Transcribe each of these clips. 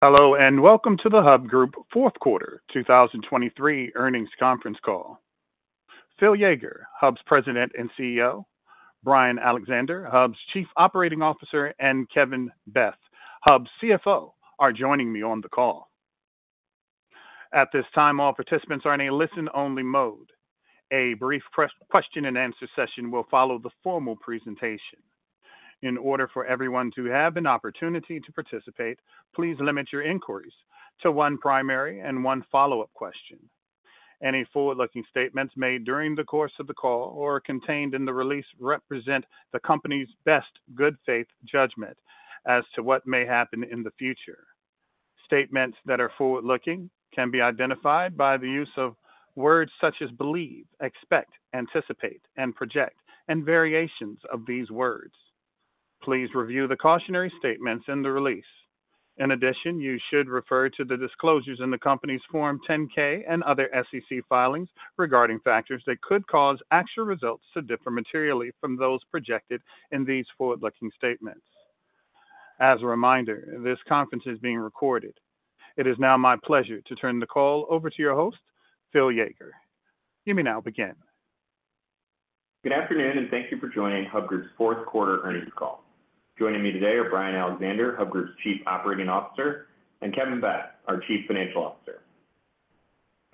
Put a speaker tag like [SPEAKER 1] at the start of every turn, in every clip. [SPEAKER 1] Hello, and welcome to the Hub Group Q4 2023 Earnings Conference Call. Phil Yeager, Hub's President and CEO, Brian Alexander, Hub's Chief Operating Officer, and Kevin Beth, Hub's CFO, are joining me on the call. At this time, all participants are in a listen-only mode. A brief question and answer session will follow the formal presentation. In order for everyone to have an opportunity to participate, please limit your inquiries to one primary and one follow-up question. Any forward-looking statements made during the course of the call or contained in the release represent the company's best good faith judgment as to what may happen in the future. Statements that are forward-looking can be identified by the use of words such as believe, expect, anticipate, and project, and variations of these words. Please review the cautionary statements in the release. In addition, you should refer to the disclosures in the company's Form 10-K and other SEC filings regarding factors that could cause actual results to differ materially from those projected in these forward-looking statements. As a reminder, this conference is being recorded. It is now my pleasure to turn the call over to your host, Phil Yeager. You may now begin.
[SPEAKER 2] Good afternoon, and thank you for joining Hub Group's Q4 earnings call. Joining me today are Brian Alexander, Hub Group's Chief Operating Officer, and Kevin Beth, our Chief Financial Officer.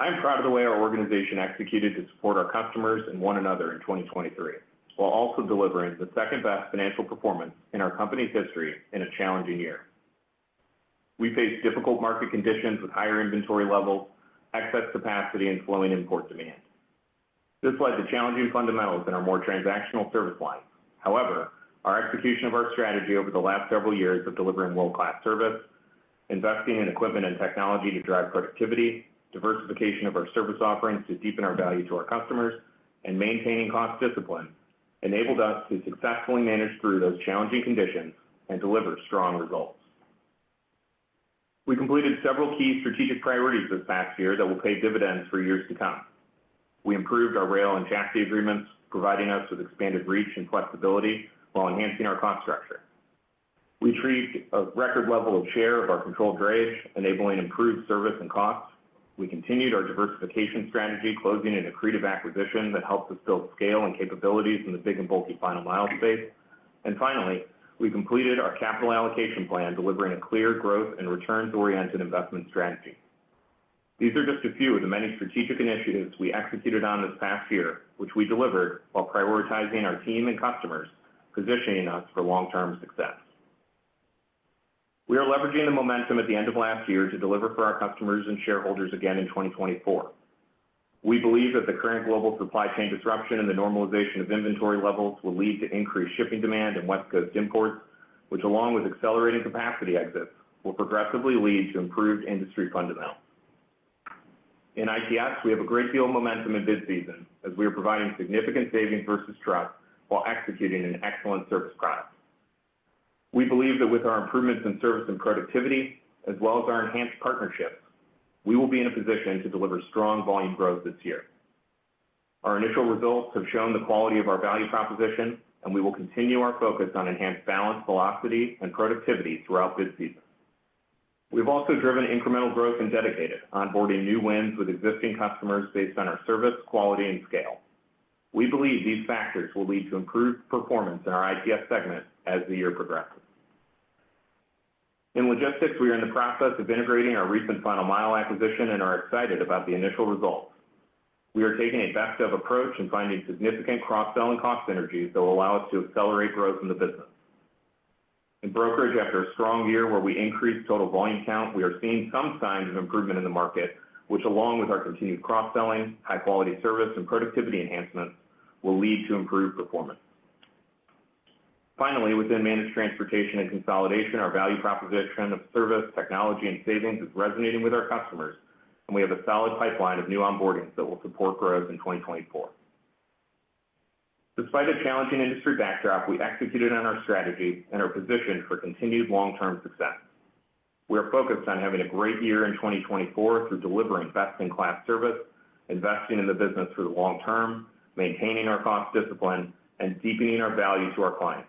[SPEAKER 2] I'm proud of the way our organization executed to support our customers and one another in 2023, while also delivering the second-best financial performance in our company's history in a challenging year. We faced difficult market conditions with higher inventory levels, excess capacity, and slowing import demand. This led to challenging fundamentals in our more transactional service lines. However, our execution of our strategy over the last several years of delivering world-class service, investing in equipment and technology to drive productivity, diversification of our service offerings to deepen our value to our customers, and maintaining cost discipline, enabled us to successfully manage through those challenging conditions and deliver strong results. We completed several key strategic priorities this past year that will pay dividends for years to come. We improved our rail and chassis agreements, providing us with expanded reach and flexibility while enhancing our cost structure. We achieved a record level of share of our controlled drayage, enabling improved service and costs. We continued our diversification strategy, closing an accretive acquisition that helped us build scale and capabilities in the big and bulky final mile space. Finally, we completed our capital allocation plan, delivering a clear growth and returns-oriented investment strategy. These are just a few of the many strategic initiatives we executed on this past year, which we delivered while prioritizing our team and customers, positioning us for long-term success. We are leveraging the momentum at the end of last year to deliver for our customers and shareholders again in 2024. We believe that the current global supply chain disruption and the normalization of inventory levels will lead to increased shipping demand and West Coast imports, which, along with accelerating capacity exits, will progressively lead to improved industry fundamentals. In ITS, we have a great deal of momentum in bid season as we are providing significant savings versus truck while executing an excellent service product. We believe that with our improvements in service and productivity, as well as our enhanced partnerships, we will be in a position to deliver strong volume growth this year. Our initial results have shown the quality of our value proposition, and we will continue our focus on enhanced balance, velocity, and productivity throughout this season. We've also driven incremental growth in dedicated, onboarding new wins with existing customers based on our service, quality, and scale. We believe these factors will lead to improved performance in our ITS segment as the year progresses. In logistics, we are in the process of integrating our recent final mile acquisition and are excited about the initial results. We are taking a best-of approach in finding significant cross-sell and cost synergies that will allow us to accelerate growth in the business. In brokerage, after a strong year where we increased total volume count, we are seeing some signs of improvement in the market, which, along with our continued cross-selling, high-quality service, and productivity enhancements, will lead to improved performance. Finally, within managed transportation and consolidation, our value proposition of service, technology, and savings is resonating with our customers, and we have a solid pipeline of new onboardings that will support growth in 2024. Despite the challenging industry backdrop, we executed on our strategy and are positioned for continued long-term success. We are focused on having a great year in 2024 through delivering best-in-class service, investing in the business for the long term, maintaining our cost discipline, and deepening our value to our clients.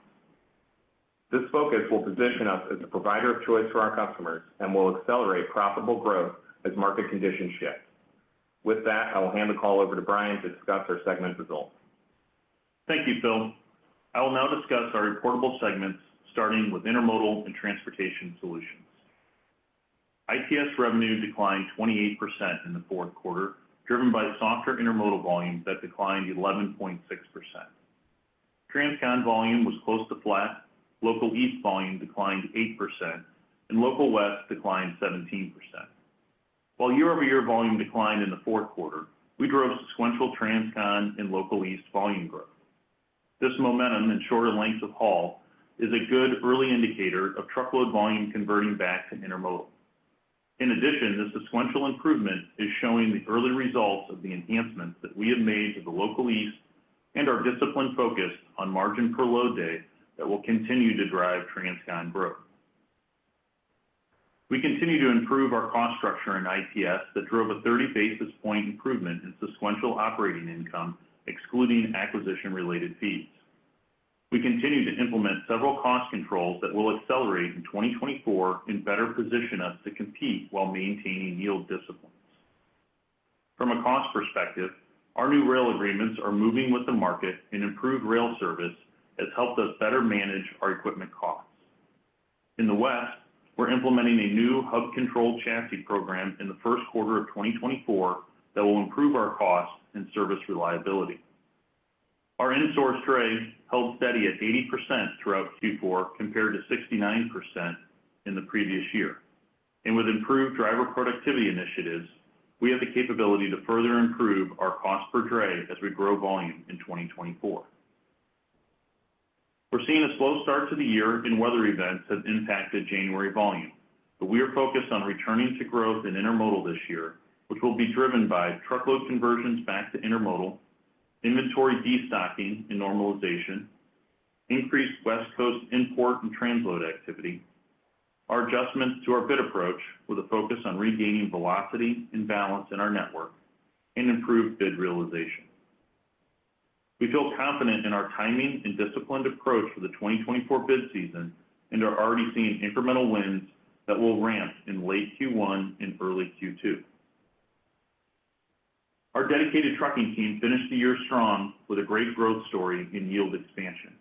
[SPEAKER 2] This focus will position us as a provider of choice for our customers and will accelerate profitable growth as market conditions shift. With that, I will hand the call over to Brian to discuss our segment results.
[SPEAKER 3] Thank you, Phil. I will now discuss our reportable segments, starting with Intermodal and Transportation Solutions. ITS revenue declined 28% in the Q4, driven by softer intermodal volumes that declined 11.6%. Transcon volume was close to flat, Local East volume declined 8%, and Local West declined 17%. While year-over-year volume declined in the Q4, we drove sequential Transcon and Local East volume growth. This momentum and shorter lengths of haul is a good early indicator of truckload volume converting back to intermodal. In addition, the sequential improvement is showing the early results of the enhancements that we have made to the Local East and our disciplined focus on margin per load day that will continue to drive Transcon growth. We continue to improve our cost structure in ITS that drove a 30 basis point improvement in sequential operating income, excluding acquisition-related fees. We continue to implement several cost controls that will accelerate in 2024 and better position us to compete while maintaining yield disciplines. From a cost perspective, our new rail agreements are moving with the market, and improved rail service has helped us better manage our equipment costs. In the West, we're implementing a new Hub-controlled chassis program in the Q1 of 2024 that will improve our costs and service reliability. Our in-source drays held steady at 80% throughout Q4, compared to 69% in the previous year. With improved driver productivity initiatives, we have the capability to further improve our cost per dray as we grow volume in 2024. We're seeing a slow start to the year, and weather events have impacted January volume, but we are focused on returning to growth in intermodal this year, which will be driven by truckload conversions back to intermodal, inventory destocking and normalization, increased West Coast import and transload activity, our adjustments to our bid approach with a focus on regaining velocity and balance in our network, and improved bid realization. We feel confident in our timing and disciplined approach for the 2024 bid season and are already seeing incremental wins that will ramp in late Q1 and early Q2. Our dedicated trucking team finished the year strong with a great growth story in yield expansion.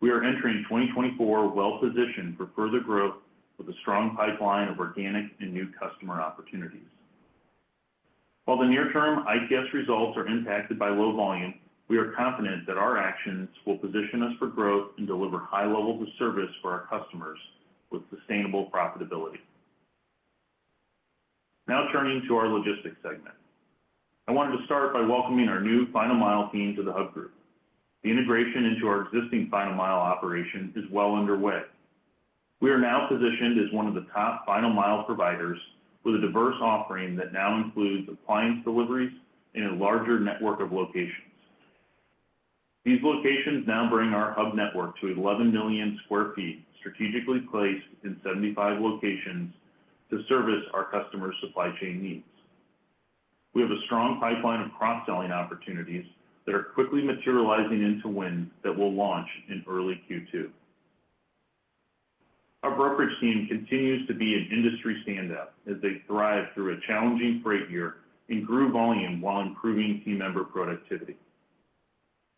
[SPEAKER 3] We are entering 2024 well positioned for further growth with a strong pipeline of organic and new customer opportunities. While the near-term ICS results are impacted by low volume, we are confident that our actions will position us for growth and deliver high levels of service for our customers with sustainable profitability. Now turning to our logistics segment. I wanted to start by welcoming our new final mile team to the Hub Group. The integration into our existing final mile operation is well underway. We are now positioned as one of the top final mile providers with a diverse offering that now includes appliance deliveries and a larger network of locations. These locations now bring our hub network to 11 million sq ft, strategically placed in 75 locations to service our customers' supply chain needs. We have a strong pipeline of cross-selling opportunities that are quickly materializing into wins that will launch in early Q2. Our brokerage team continues to be an industry standout as they thrived through a challenging freight year and grew volume while improving team member productivity.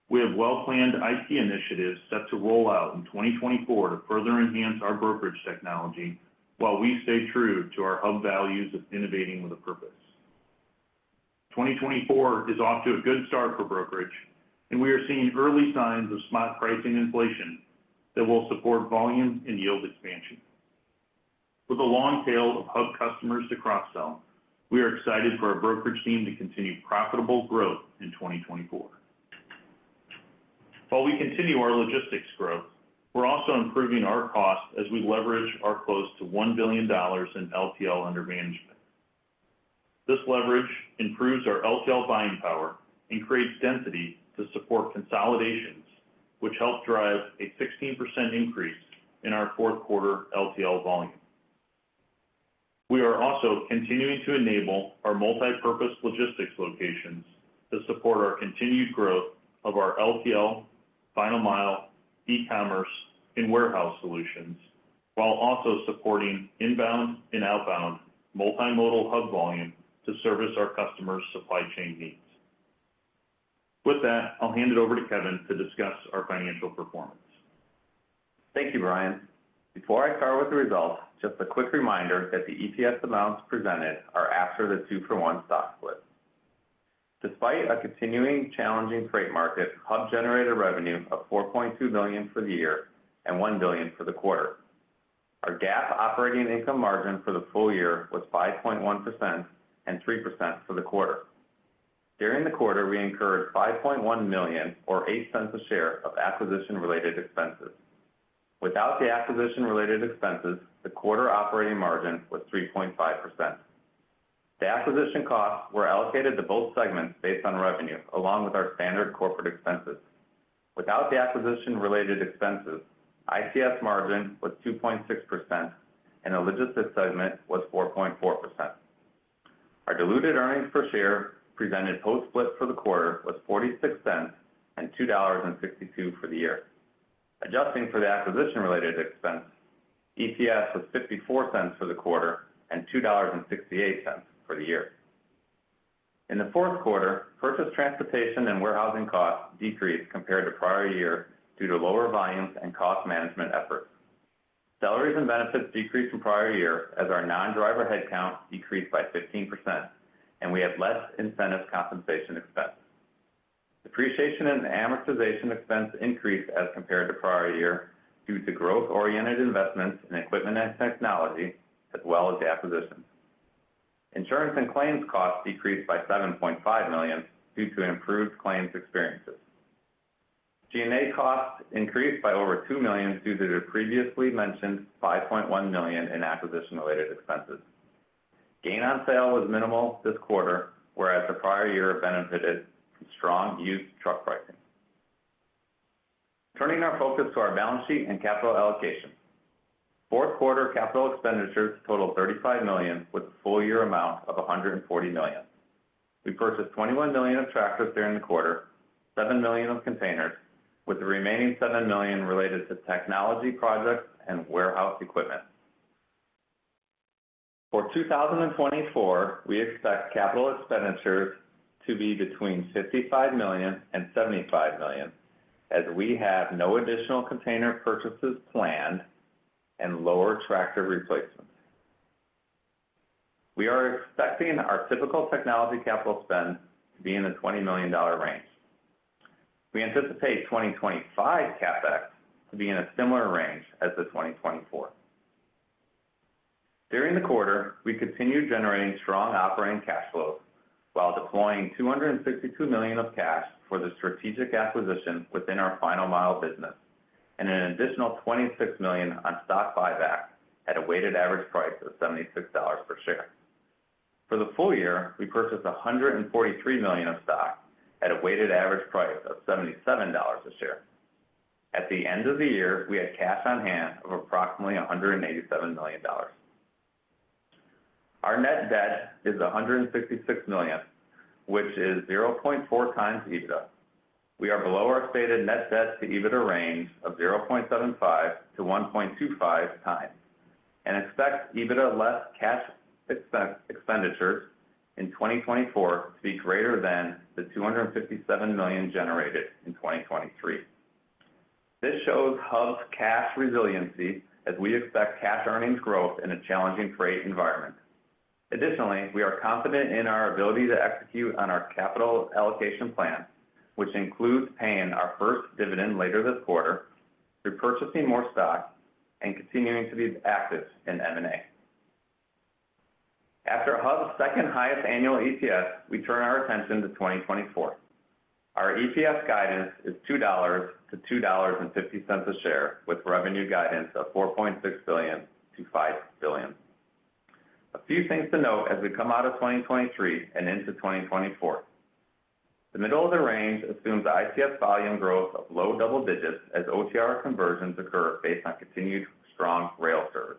[SPEAKER 3] We have well-planned IT initiatives set to roll out in 2024 to further enhance our brokerage technology, while we stay true to our Hub values of innovating with a purpose. 2024 is off to a good start for brokerage, and we are seeing early signs of smart pricing inflation that will support volume and yield expansion. With a long tail of Hub customers to cross-sell, we are excited for our brokerage team to continue profitable growth in 2024. While we continue our logistics growth, we're also improving our costs as we leverage our close to $1 billion in LTL under management. This leverage improves our LTL buying power and creates density to support consolidations, which helped drive a 16% increase in our Q4 LTL volume. We are also continuing to enable our multipurpose logistics locations to support our continued growth of our LTL, final mile, e-commerce, and warehouse solutions, while also supporting inbound and outbound multimodal hub volume to service our customers' supply chain needs. With that, I'll hand it over to Kevin to discuss our financial performance.
[SPEAKER 4] Thank you, Brian. Before I start with the results, just a quick reminder that the EPS amounts presented are after the two-for-one stock split. Despite a continuing challenging freight market, Hub generated revenue of $4.2 billion for the year and $1 billion for the quarter. Our GAAP operating income margin for the full year was 5.1% and 3% for the quarter. During the quarter, we incurred $5.1 million, or $0.08 a share, of acquisition-related expenses. Without the acquisition-related expenses, the quarter operating margin was 3.5%. The acquisition costs were allocated to both segments based on revenue, along with our standard corporate expenses. Without the acquisition-related expenses, ICS margin was 2.6%, and our logistics segment was 4.4%. Our diluted earnings per share presented post-split for the quarter was $0.46 and $2.62 for the year. Adjusting for the acquisition-related expense, EPS was $0.54 for the quarter and $2.68 for the year. In the Q4, purchased transportation and warehousing costs decreased compared to prior year due to lower volumes and cost management efforts. Salaries and benefits decreased from prior year as our non-driver headcount decreased by 15%, and we had less incentive compensation expense. Depreciation and amortization expense increased as compared to prior year, due to growth-oriented investments in equipment and technology, as well as acquisitions. Insurance and claims costs decreased by $7.5 million due to improved claims experiences. G&A costs increased by over $2 million due to the previously mentioned $5.1 million in acquisition-related expenses. Gain on sale was minimal this quarter, whereas the prior year benefited from strong used truck pricing. Turning our focus to our balance sheet and capital allocation.... Q4 capital expenditures totaled $35 million, with a full year amount of $140 million. We purchased $21 million of tractors during the quarter, $7 million of containers, with the remaining $7 million related to technology projects and warehouse equipment. For 2024, we expect capital expenditures to be between $55 million and $75 million, as we have no additional container purchases planned and lower tractor replacements. We are expecting our typical technology capital spend to be in the $20 million range. We anticipate 2025 CapEx to be in a similar range as the 2024. During the quarter, we continued generating strong operating cash flow while deploying $262 million of cash for the strategic acquisition within our final mile business, and an additional $26 million on stock buyback at a weighted average price of $76 per share. For the full year, we purchased $143 million of stock at a weighted average price of $77 a share. At the end of the year, we had cash on hand of approximately $187 million. Our net debt is $166 million, which is 0.4 times EBITDA. We are below our stated net debt to EBITDA range of 0.75-1.25 times, and expect EBITDA less cash expenditures in 2024 to be greater than the $257 million generated in 2023. This shows Hub's cash resiliency as we expect cash earnings growth in a challenging freight environment. Additionally, we are confident in our ability to execute on our capital allocation plan, which includes paying our first dividend later this quarter, repurchasing more stock, and continuing to be active in M&A. After Hub's second highest annual EPS, we turn our attention to 2024. Our EPS guidance is $2.00-$2.50 a share, with revenue guidance of $4.6 billion-$5 billion. A few things to note as we come out of 2023 and into 2024. The middle of the range assumes ICF volume growth of low double digits, as OTR conversions occur based on continued strong rail service.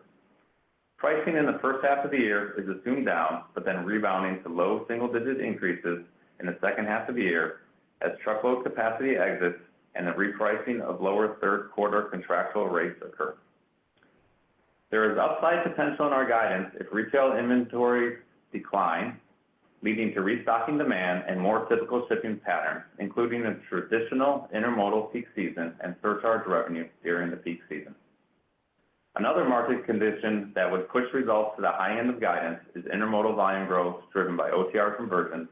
[SPEAKER 4] Pricing in the H1 of the year is assumed down, but then rebounding to low single digit increases in the H2 of the year, as truckload capacity exits and the repricing of lower Q3 contractual rates occur. There is upside potential in our guidance if retail inventories decline, leading to restocking demand and more typical shipping patterns, including the traditional intermodal peak season and surcharge revenue during the peak season. Another market condition that would push results to the high end of guidance is intermodal volume growth, driven by OTR conversions,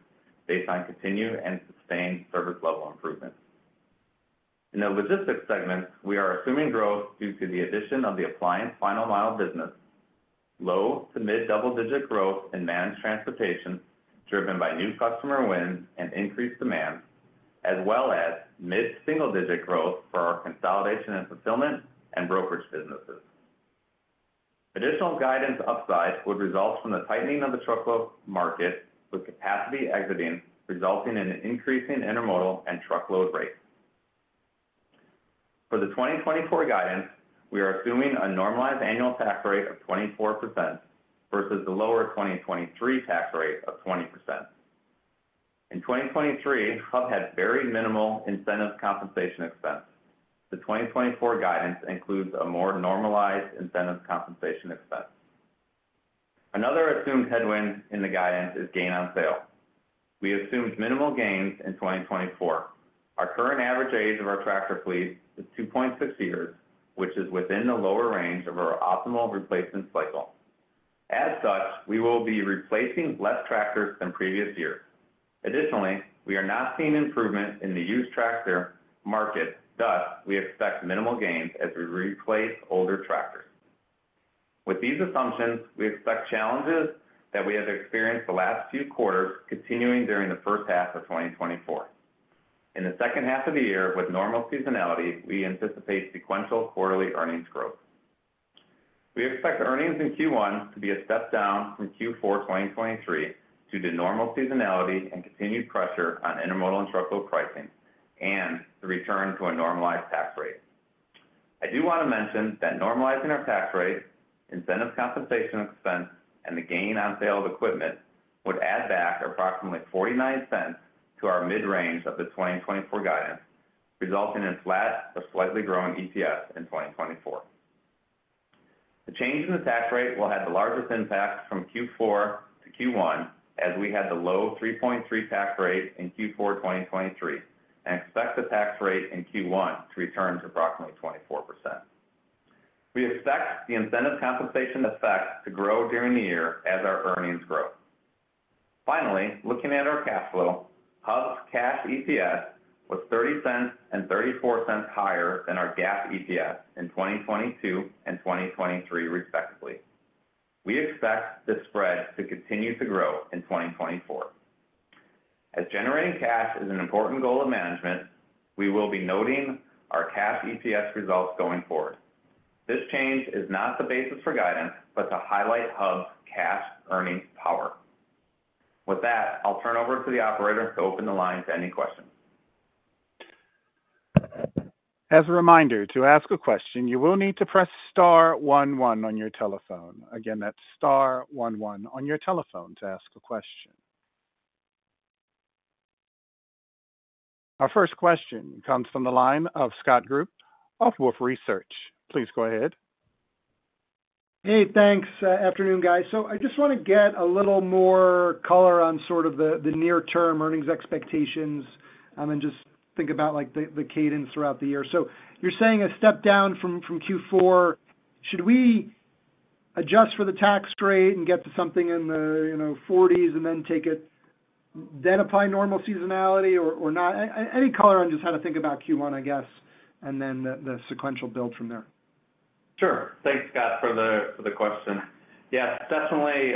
[SPEAKER 4] based on continued and sustained service level improvements. In the logistics segment, we are assuming growth due to the addition of the appliance final mile business, low to mid double-digit growth in managed transportation, driven by new customer wins and increased demand, as well as mid-single-digit growth for our consolidation and fulfillment and brokerage businesses. Additional guidance upside would result from the tightening of the truckload market, with capacity exiting, resulting in an increase in intermodal and truckload rates. For the 2024 guidance, we are assuming a normalized annual tax rate of 24% versus the lower 2023 tax rate of 20%. In 2023, Hub had very minimal incentive compensation expense. The 2024 guidance includes a more normalized incentive compensation expense. Another assumed headwind in the guidance is gain on sale. We assumed minimal gains in 2024. Our current average age of our tractor fleet is 2.6 years, which is within the lower range of our optimal replacement cycle. As such, we will be replacing less tractors than previous years. Additionally, we are not seeing improvement in the used tractor market, thus, we expect minimal gains as we replace older tractors. With these assumptions, we expect challenges that we have experienced the last few quarters, continuing during the H1 of 2024. In the H2 of the year, with normal seasonality, we anticipate sequential quarterly earnings growth. We expect earnings in Q1 to be a step down from Q4 2023, due to normal seasonality and continued pressure on intermodal and truckload pricing, and the return to a normalized tax rate. I do want to mention that normalizing our tax rate, incentive compensation expense, and the gain on sale of equipment, would add back approximately $0.49 to our mid-range of the 2024 guidance, resulting in flat or slightly growing EPS in 2024. The change in the tax rate will have the largest impact from Q4 to Q1, as we had the low 3.3% tax rate in Q4 2023, and expect the tax rate in Q1 to return to approximately 24%. We expect the incentive compensation effect to grow during the year as our earnings grow. Finally, looking at our cash flow, Hub's cash EPS was $0.30 and $0.34 higher than our GAAP EPS in 2022 and 2023, respectively. We expect this spread to continue to grow in 2024. As generating cash is an important goal of management, we will be noting our cash EPS results going forward. This change is not the basis for guidance, but to highlight Hub's cash earnings power. With that, I'll turn over to the operator to open the line to any questions....
[SPEAKER 1] As a reminder, to ask a question, you will need to press star one, one on your telephone. Again, that's star one, one on your telephone to ask a question. Our first question comes from the line of Scott Group of Wolfe Research. Please go ahead.
[SPEAKER 5] Hey, thanks. Afternoon, guys. So I just want to get a little more color on sort of the, the near-term earnings expectations, and just think about, like, the, the cadence throughout the year. So you're saying a step down from, from Q4. Should we adjust for the tax rate and get to something in the, you know, forties and then take it, then apply normal seasonality or, or not? Any color on just how to think about Q1, I guess, and then the, the sequential build from there.
[SPEAKER 4] Sure. Thanks, Scott, for the question. Yeah, definitely,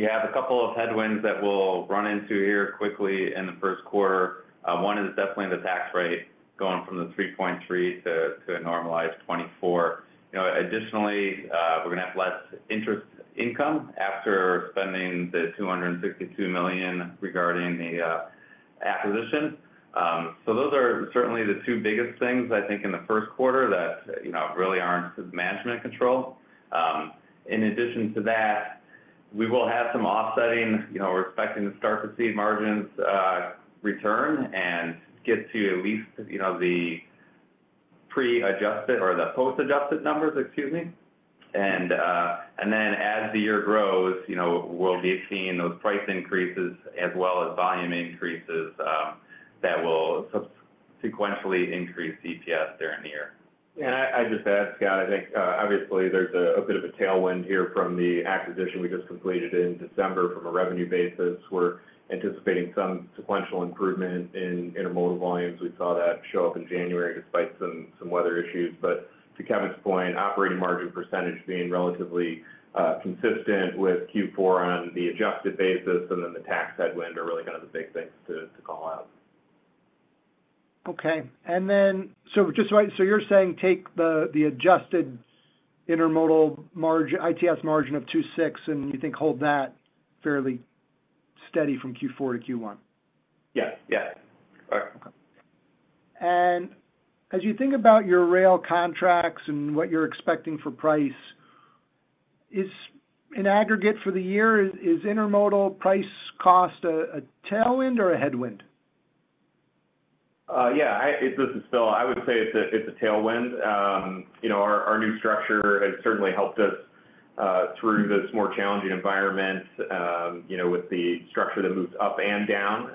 [SPEAKER 4] you have a couple of headwinds that we'll run into here quickly in the Q1. One is definitely the tax rate going from the 3.3% to a normalized 24%. You know, additionally, we're going to have less interest income after spending the $252 million regarding the acquisition. So those are certainly the two biggest things, I think, in the Q1 that, you know, really aren't management control. In addition to that, we will have some offsetting, you know, we're expecting to start to see margins return and get to at least, you know, the pre-adjusted or the post-adjusted numbers, excuse me. And, and then as the year grows, you know, we'll be seeing those price increases as well as volume increases that will sequentially increase EPS during the year.
[SPEAKER 2] Yeah, I'd just add, Scott, I think, obviously, there's a bit of a tailwind here from the acquisition we just completed in December from a revenue basis. We're anticipating some sequential improvement in intermodal volumes. We saw that show up in January despite some weather issues. But to Kevin's point, operating margin percentage being relatively consistent with Q4 on the adjusted basis, and then the tax headwind are really kind of the big things to call out.
[SPEAKER 5] Okay. And then, so just so you're saying take the adjusted intermodal margin, ITS margin of 2.6, and you think hold that fairly steady from Q4 to Q1?
[SPEAKER 4] Yeah,
[SPEAKER 2] yeah.
[SPEAKER 5] Okay. And as you think about your rail contracts and what you're expecting for price, is in aggregate for the year, intermodal price cost a tailwind or a headwind?
[SPEAKER 2] Yeah, this is Phil. I would say it's a tailwind. You know, our new structure has certainly helped us through this more challenging environment, you know, with the structure that moves up and down,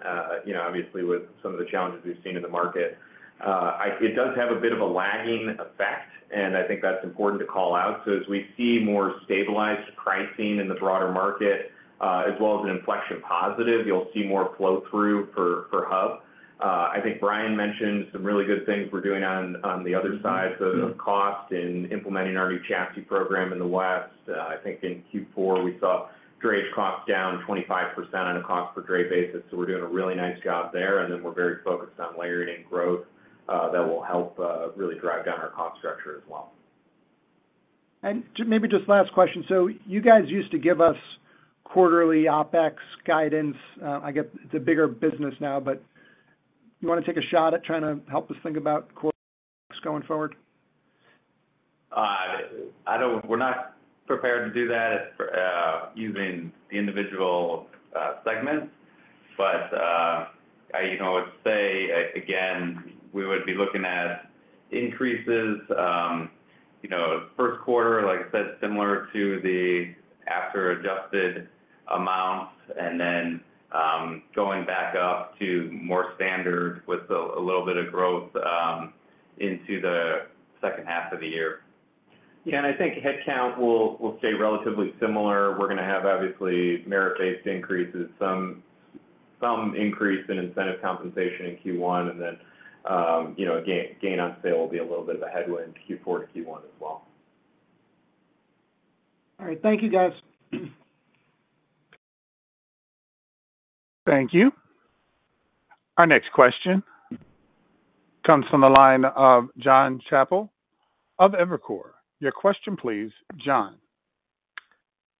[SPEAKER 2] you know, obviously, with some of the challenges we've seen in the market. It does have a bit of a lagging effect, and I think that's important to call out. So as we see more stabilized pricing in the broader market, as well as an inflection positive, you'll see more flow-through for Hub. I think Brian mentioned some really good things we're doing on the other side of cost and implementing our new chassis program in the West. I think in Q4, we saw drayage costs down 25% on a cost per dray basis, so we're doing a really nice job there, and then we're very focused on layering in growth, that will help, really drive down our cost structure as well.
[SPEAKER 5] Maybe just last question. You guys used to give us quarterly OpEx guidance. I get it's a bigger business now, but you want to take a shot at trying to help us think about going forward?
[SPEAKER 4] I don't—we're not prepared to do that, using the individual segments. But I, you know, would say, again, we would be looking at increases, you know, Q1, like I said, similar to the after adjusted amounts, and then, going back up to more standard with a little bit of growth, into the H2 of the year. Yeah, and I think headcount will stay relatively similar. We're going to have, obviously, merit-based increases, some increase in incentive compensation in Q1, and then, you know, gain on sale will be a little bit of a headwind, Q4 to Q1 as well.
[SPEAKER 5] All right. Thank you, guys.
[SPEAKER 1] Thank you. Our next question comes from the line of John Chappell of Evercore. Your question, please, John.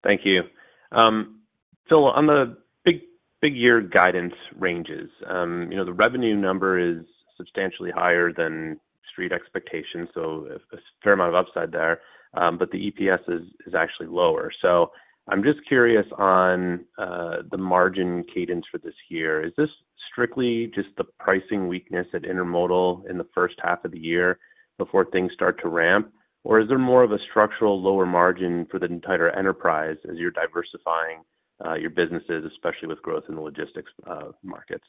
[SPEAKER 6] Thank you. So on the big, big year guidance ranges, you know, the revenue number is substantially higher than street expectations, so a fair amount of upside there, but the EPS is, is actually lower. So I'm just curious on the margin cadence for this year. Is this strictly just the pricing weakness at intermodal in the H1 of the year before things start to ramp? Or is there more of a structural lower margin for the entire enterprise as you're diversifying your businesses, especially with growth in the logistics markets?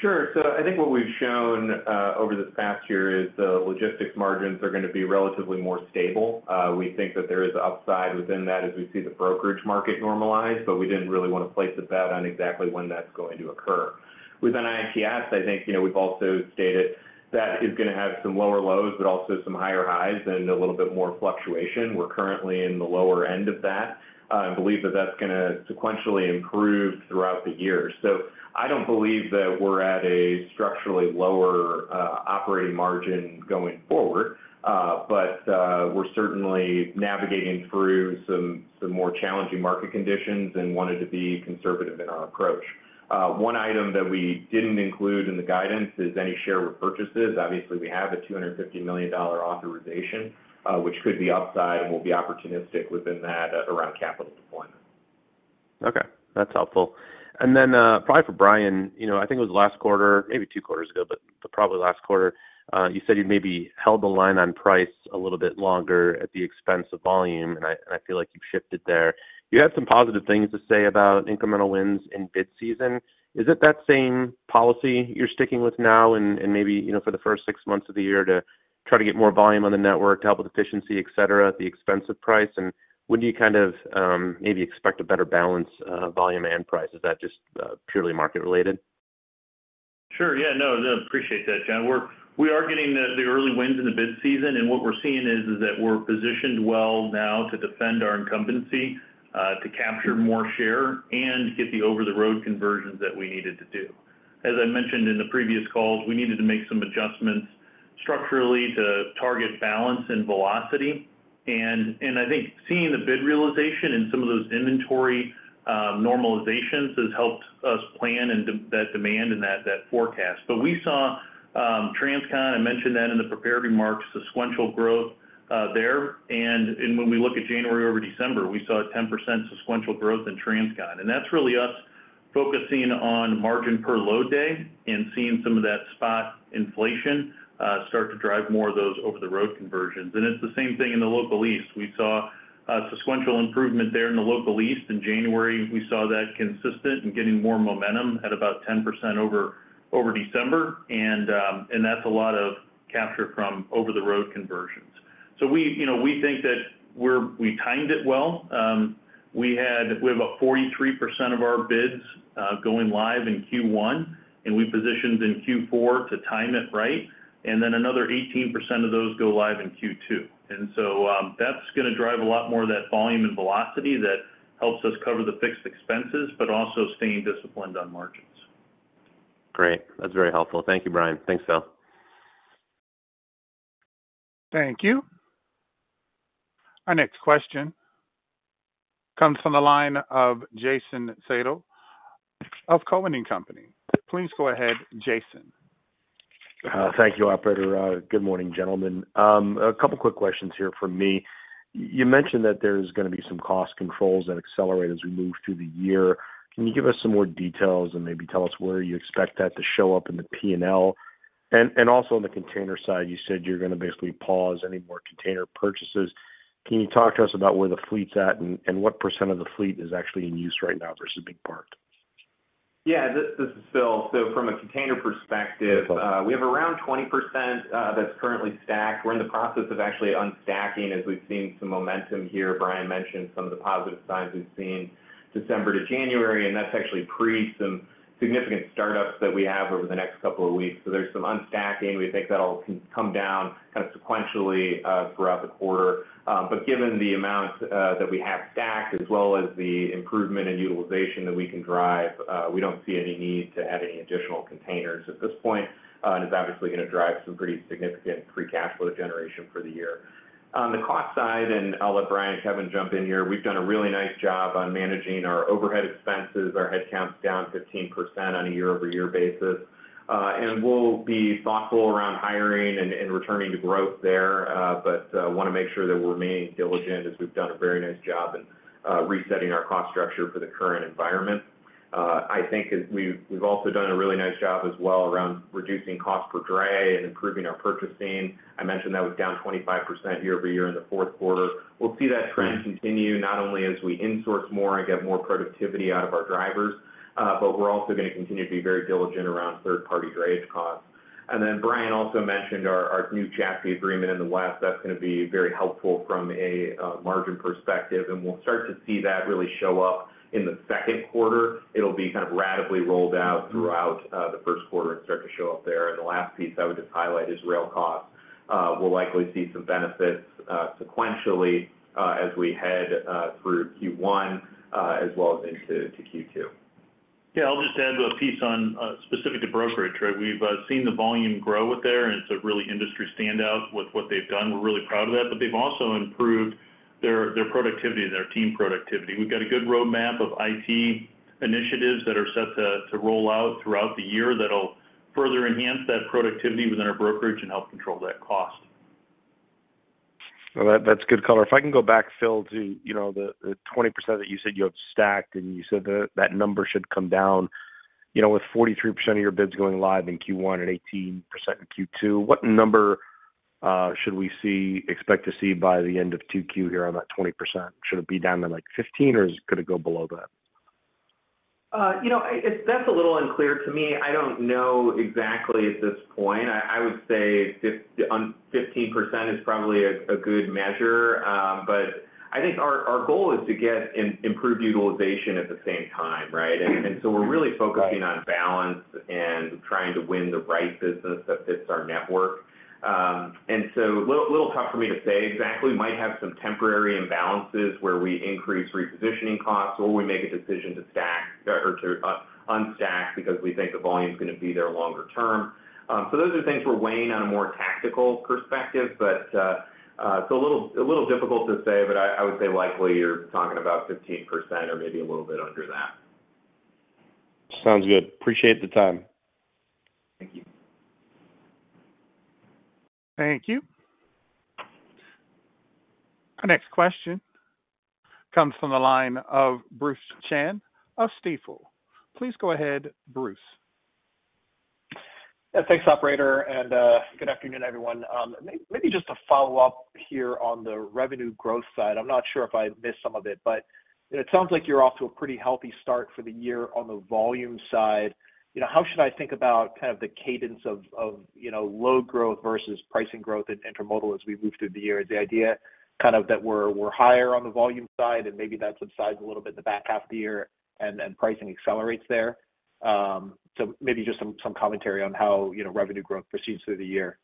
[SPEAKER 2] Sure. So I think what we've shown over this past year is the logistics margins are going to be relatively more stable. We think that there is upside within that as we see the brokerage market normalize, but we didn't really want to place a bet on exactly when that's going to occur. Within ITS, I think, you know, we've also stated that is going to have some lower lows, but also some higher highs and a little bit more fluctuation. We're currently in the lower end of that, and believe that that's going to sequentially improve throughout the year. So I don't believe that we're at a structurally lower operating margin going forward, but we're certainly navigating through some more challenging market conditions and wanted to be conservative in our approach. One item that we didn't include in the guidance is any share repurchases. Obviously, we have a $250 million authorization, which could be upside, and we'll be opportunistic within that around capital deployment....
[SPEAKER 6] Okay, that's helpful. And then, probably for Brian, you know, I think it was last quarter, maybe two quarters ago, but probably last quarter, you said you maybe held the line on price a little bit longer at the expense of volume, and I feel like you've shifted there. You had some positive things to say about incremental wins in bid season. Is it that same policy you're sticking with now and maybe, you know, for the first six months of the year to try to get more volume on the network to help with efficiency, et cetera, at the expense of price? And when do you kind of, maybe expect a better balance of volume and price? Is that just, purely market related?
[SPEAKER 3] Sure. Yeah, no, no, appreciate that, John. We are getting the early wins in the bid season, and what we're seeing is that we're positioned well now to defend our incumbency, to capture more share and get the over-the-road conversions that we needed to do. As I mentioned in the previous calls, we needed to make some adjustments structurally to target balance and velocity. And I think seeing the bid realization in some of those inventory normalizations has helped us plan and that demand and that forecast. But we saw Transcon, I mentioned that in the prepared remarks, sequential growth there. And when we look at January over December, we saw a 10% sequential growth in Transcon. And that's really us focusing on margin per load day and seeing some of that spot inflation start to drive more of those over-the-road conversions. And it's the same thing in the Local East. We saw a sequential improvement there in the Local East. In January, we saw that consistent and getting more momentum at about 10% over December, and that's a lot of capture from over-the-road conversions. So we, you know, we think that we timed it well. We had, we have about 43% of our bids going live in Q1, and we positioned in Q4 to time it right, and then another 18% of those go live in Q2. And so, that's going to drive a lot more of that volume and velocity that helps us cover the fixed expenses, but also staying disciplined on margins.
[SPEAKER 6] Great. That's very helpful. Thank you, Brian. Thanks, Phil.
[SPEAKER 1] Thank you. Our next question comes from the line of Jason Seidel of Cowen and Company. Please go ahead, Jason.
[SPEAKER 7] Thank you, operator. Good morning, gentlemen. A couple quick questions here from me. You mentioned that there's going to be some cost controls that accelerate as we move through the year. Can you give us some more details and maybe tell us where you expect that to show up in the P&L? And, and also on the container side, you said you're going to basically pause any more container purchases. Can you talk to us about where the fleet's at and, and what % of the fleet is actually in use right now versus being parked?
[SPEAKER 2] Yeah, this, this is Phil. So from a container perspective-
[SPEAKER 7] Okay.
[SPEAKER 2] We have around 20%, that's currently stacked. We're in the process of actually unstacking as we've seen some momentum here. Brian mentioned some of the positive signs we've seen December to January, and that's actually pre some significant startups that we have over the next couple of weeks. So there's some unstacking. We think that'll come down kind of sequentially throughout the quarter. But given the amount that we have stacked, as well as the improvement in utilization that we can drive, we don't see any need to add any additional containers at this point, and it's obviously going to drive some pretty significant free cash flow generation for the year. On the cost side, and I'll let Brian, Kevin jump in here, we've done a really nice job on managing our overhead expenses. Our headcount is down 15% on a year-over-year basis. We'll be thoughtful around hiring and returning to growth there, but want to make sure that we're remaining diligent as we've done a very nice job in resetting our cost structure for the current environment. I think as we've also done a really nice job as well around reducing cost per dray and improving our purchasing. I mentioned that was down 25% year-over-year in the Q4. We'll see that trend continue, not only as we insource more and get more productivity out of our drivers, but we're also going to continue to be very diligent around third-party drayage costs. And then Brian also mentioned our new chassis agreement in the West. That's going to be very helpful from a margin perspective, and we'll start to see that really show up in the Q2. It'll be kind of ratably rolled out throughout the Q1 and start to show up there. The last piece I would just highlight is rail costs. We'll likely see some benefits sequentially as we head through Q1 as well as into Q2.
[SPEAKER 3] Yeah, I'll just add a piece on specific to brokerage, right? We've seen the volume grow with there, and it's a really industry standout with what they've done. We're really proud of that, but they've also improved their productivity, their team productivity. We've got a good roadmap of IT initiatives that are set to roll out throughout the year that'll further enhance that productivity within our brokerage and help control that cost.
[SPEAKER 7] Well, that's good color. If I can go back, Phil, to, you know, the 20% that you said you have stacked, and you said that that number should come down. You know, with 43% of your bids going live in Q1 and 18% in Q2, what number should we see, expect to see by the end of 2Q here on that 20%? Should it be down to, like, 15, or could it go below that?
[SPEAKER 2] You know, that's a little unclear to me. I don't know exactly at this point. I would say 15% is probably a good measure. But I think our goal is to get improved utilization at the same time, right? So we're really focusing on balance and trying to win the right business that fits our network. And so a little tough for me to say exactly. Might have some temporary imbalances where we increase repositioning costs, or we make a decision to stack, or to unstack because we think the volume is going to be there longer term. So those are things we're weighing on a more tactical perspective, but it's a little difficult to say, but I would say likely you're talking about 15% or maybe a little bit under that.
[SPEAKER 7] Sounds good. Appreciate the time....
[SPEAKER 1] Thank you. Our next question comes from the line of Bruce Chan of Stifel. Please go ahead, Bruce.
[SPEAKER 8] Yeah, thanks, operator, and good afternoon, everyone. Maybe just to follow up here on the revenue growth side, I'm not sure if I missed some of it, but it sounds like you're off to a pretty healthy start for the year on the volume side. You know, how should I think about kind of the cadence of you know low growth versus pricing growth in intermodal as we move through the year? Is the idea kind of that we're higher on the volume side, and maybe that subsides a little bit in the back half of the year and pricing accelerates there? So maybe just some commentary on how you know revenue growth proceeds through the year.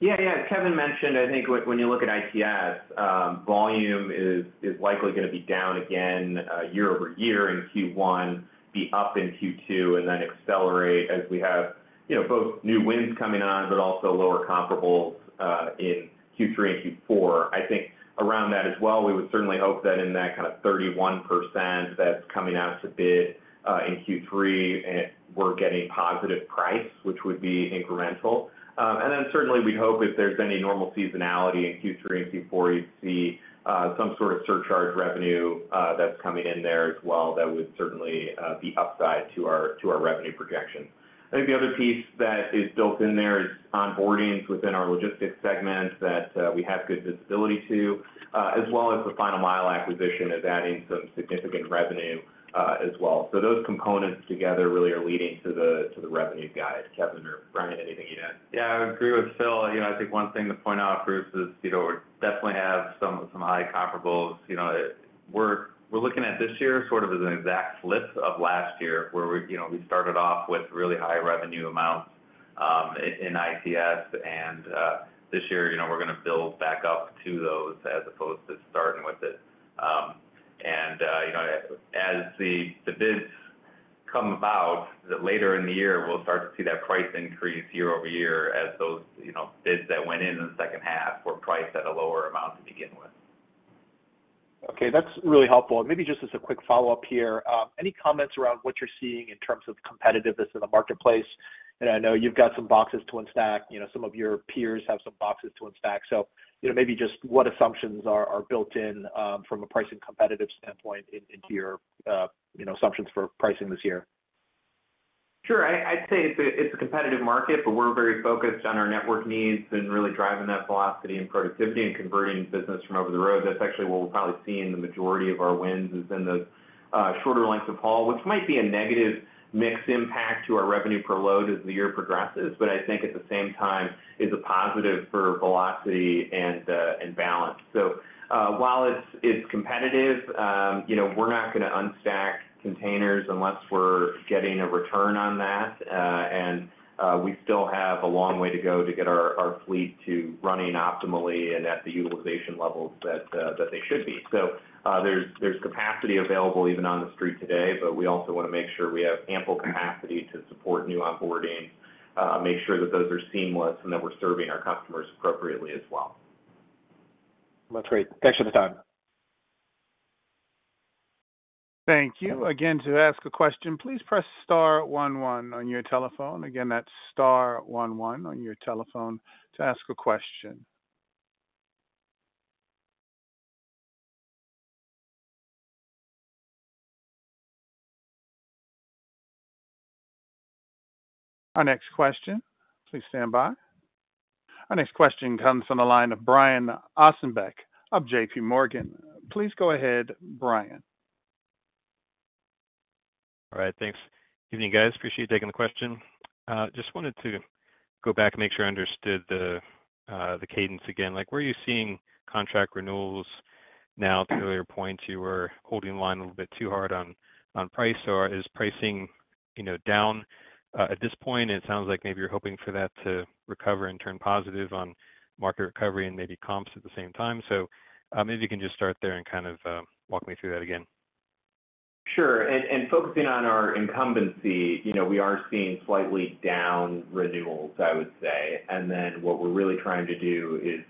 [SPEAKER 2] Yeah, yeah, Kevin mentioned, I think, when you look at ICS, volume is likely gonna be down again, year-over-year in Q1, be up in Q2, and then accelerate as we have, you know, both new wins coming on, but also lower comparables in Q3 and Q4. I think around that as well, we would certainly hope that in that kind of 31% that's coming out to bid in Q3, and we're getting positive price, which would be incremental. And then certainly we hope if there's any normal seasonality in Q3 and Q4, you'd see some sort of surcharge revenue that's coming in there as well. That would certainly be upside to our, to our revenue projection. I think the other piece that is built in there is onboardings within our logistics segment that we have good visibility to as well as the final mile acquisition is adding some significant revenue as well. So those components together really are leading to the revenue guide. Kevin or Brian, anything you'd add?
[SPEAKER 4] Yeah, I agree with Phil. You know, I think one thing to point out, Bruce, is, you know, we definitely have some high comparables. You know, we're looking at this year sort of as an exact flip of last year, where we, you know, we started off with really high revenue amounts in ICS, and this year, you know, we're gonna build back up to those as opposed to starting with it. And you know, as the bids come about that later in the year, we'll start to see that price increase year-over-year as those, you know, bids that went in in the H2 were priced at a lower amount to begin with.
[SPEAKER 8] Okay, that's really helpful. And maybe just as a quick follow-up here, any comments around what you're seeing in terms of competitiveness in the marketplace? And I know you've got some boxes to unstack, you know, some of your peers have some boxes to unstack. So, you know, maybe just what assumptions are built in, from a pricing competitive standpoint into your, you know, assumptions for pricing this year?
[SPEAKER 2] Sure. I'd say it's a competitive market, but we're very focused on our network needs and really driving that velocity and productivity and converting business from over the road. That's actually what we'll probably see in the majority of our wins, is in the shorter lengths of haul, which might be a negative mix impact to our revenue per load as the year progresses, but I think at the same time is a positive for velocity and balance. So, while it's competitive, you know, we're not gonna unstack containers unless we're getting a return on that, and we still have a long way to go to get our fleet to running optimally and at the utilization levels that they should be. So, there's capacity available even on the street today, but we also want to make sure we have ample capacity to support new onboarding, make sure that those are seamless and that we're serving our customers appropriately as well.
[SPEAKER 8] That's great. Thanks for the time.
[SPEAKER 1] Thank you. Again, to ask a question, please press star one one on your telephone. Again, that's star one one on your telephone to ask a question. Our next question, please stand by. Our next question comes from the line of Brian Ossenbeck of J.P. Morgan. Please go ahead, Brian.
[SPEAKER 9] All right, thanks. Evening, guys. Appreciate you taking the question. Just wanted to go back and make sure I understood the cadence again. Like, where are you seeing contract renewals now? To your point, you were holding the line a little bit too hard on, on price, or is pricing, you know, down at this point? It sounds like maybe you're hoping for that to recover and turn positive on market recovery and maybe comps at the same time. So, maybe you can just start there and kind of walk me through that again.
[SPEAKER 2] Sure. And focusing on our incumbency, you know, we are seeing slightly down renewals, I would say. And then what we're really trying to do is,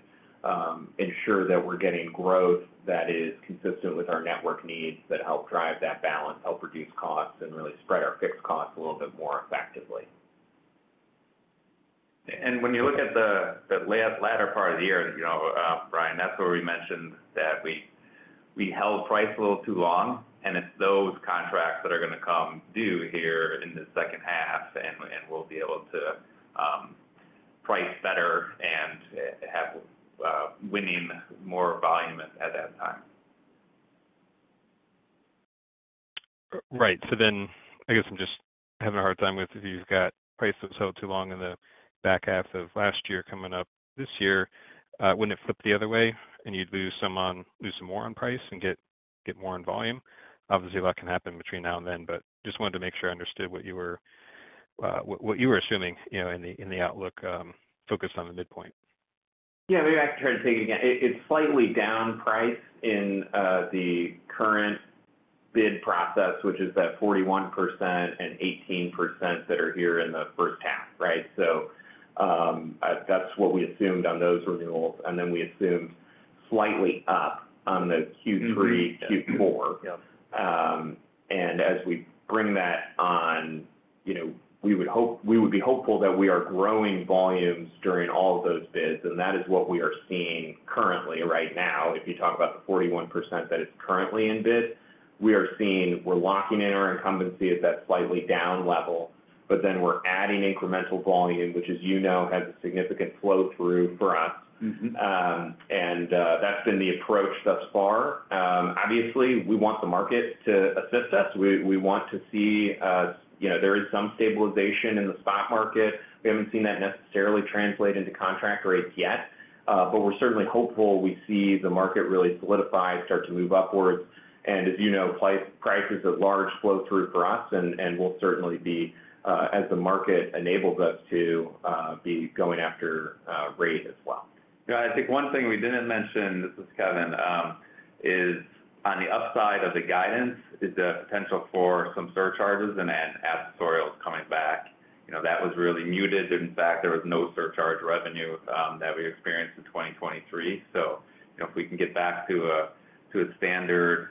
[SPEAKER 2] ensure that we're getting growth that is consistent with our network needs, that help drive that balance, help reduce costs, and really spread our fixed costs a little bit more effectively.
[SPEAKER 4] When you look at the latter part of the year, you know, Brian, that's where we mentioned that we held price a little too long, and it's those contracts that are gonna come due here in the H2, and we'll be able to price better and have winning more volume at that time.
[SPEAKER 9] Right. So then, I guess I'm just having a hard time with, if you've got prices held too long in the back half of last year, coming up this year, wouldn't it flip the other way, and you'd lose some on price and lose some more on price and get more on volume? Obviously, a lot can happen between now and then, but just wanted to make sure I understood what you were assuming, you know, in the outlook, focus on the midpoint.
[SPEAKER 2] Yeah, maybe I can try to take it again. It's slightly down price in the current bid process, which is that 41% and 18% that are here in the H1, right? So, that's what we assumed on those renewals, and then we assumed slightly up on the Q3, Q4.
[SPEAKER 3] Yep.
[SPEAKER 2] And as we bring that on, you know, we would be hopeful that we are growing volumes during all of those bids, and that is what we are seeing currently right now. If you talk about the 41% that is currently in bid, we are seeing, we're locking in our incumbency at that slightly down level, but then we're adding incremental volume, which, as you know, has a significant flow-through for us. That's been the approach thus far. Obviously, we want the market to assist us. We want to see, you know, there is some stabilization in the spot market. We haven't seen that necessarily translate into contract rates yet, but we're certainly hopeful we see the market really solidify, start to move upwards. As you know, price is a large flow-through for us, and we'll certainly be, as the market enables us to, be going after rate as well.
[SPEAKER 4] Yeah, I think one thing we didn't mention, this is Kevin, is on the upside of the guidance, is the potential for some surcharges and then accessorials coming back. You know, that was really muted. In fact, there was no surcharge revenue that we experienced in 2023. So, you know, if we can get back to a, to a standard,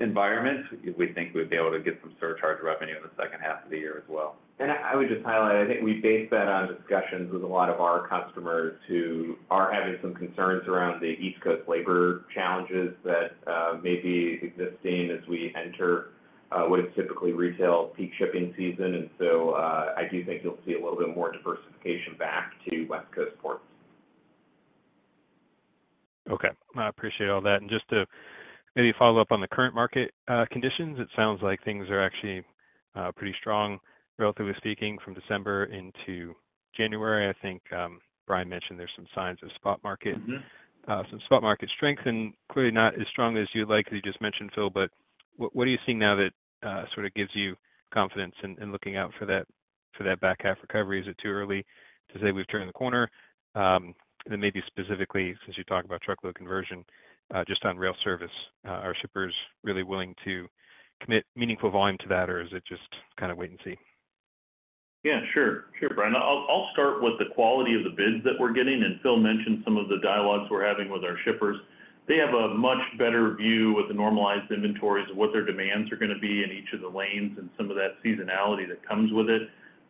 [SPEAKER 4] environment, we think we'd be able to get some surcharge revenue in the H2 of the year as well.
[SPEAKER 2] I would just highlight, I think we based that on discussions with a lot of our customers, who are having some concerns around the East Coast labor challenges that may be existing as we enter what is typically retail peak shipping season. I do think you'll see a little bit more diversification back to West Coast ports.
[SPEAKER 9] Okay. I appreciate all that. And just to maybe follow up on the current market conditions, it sounds like things are actually pretty strong, relatively speaking, from December into January. I think, Brian mentioned there's some signs of spot market some spot market strength, and clearly not as strong as you'd like, as you just mentioned, Phil. But what, what are you seeing now that sort of gives you confidence in, in looking out for that, for that back half recovery? Is it too early to say we've turned the corner? And then maybe specifically, since you talked about truckload conversion, just on rail service, are shippers really willing to commit meaningful volume to that, or is it just kind of wait and see?
[SPEAKER 4] Yeah, sure. Sure, Brian. I'll start with the quality of the bids that we're getting, and Phil mentioned some of the dialogues we're having with our shippers. They have a much better view with the normalized inventories of what their demands are going to be in each of the lanes and some of that seasonality that comes with it.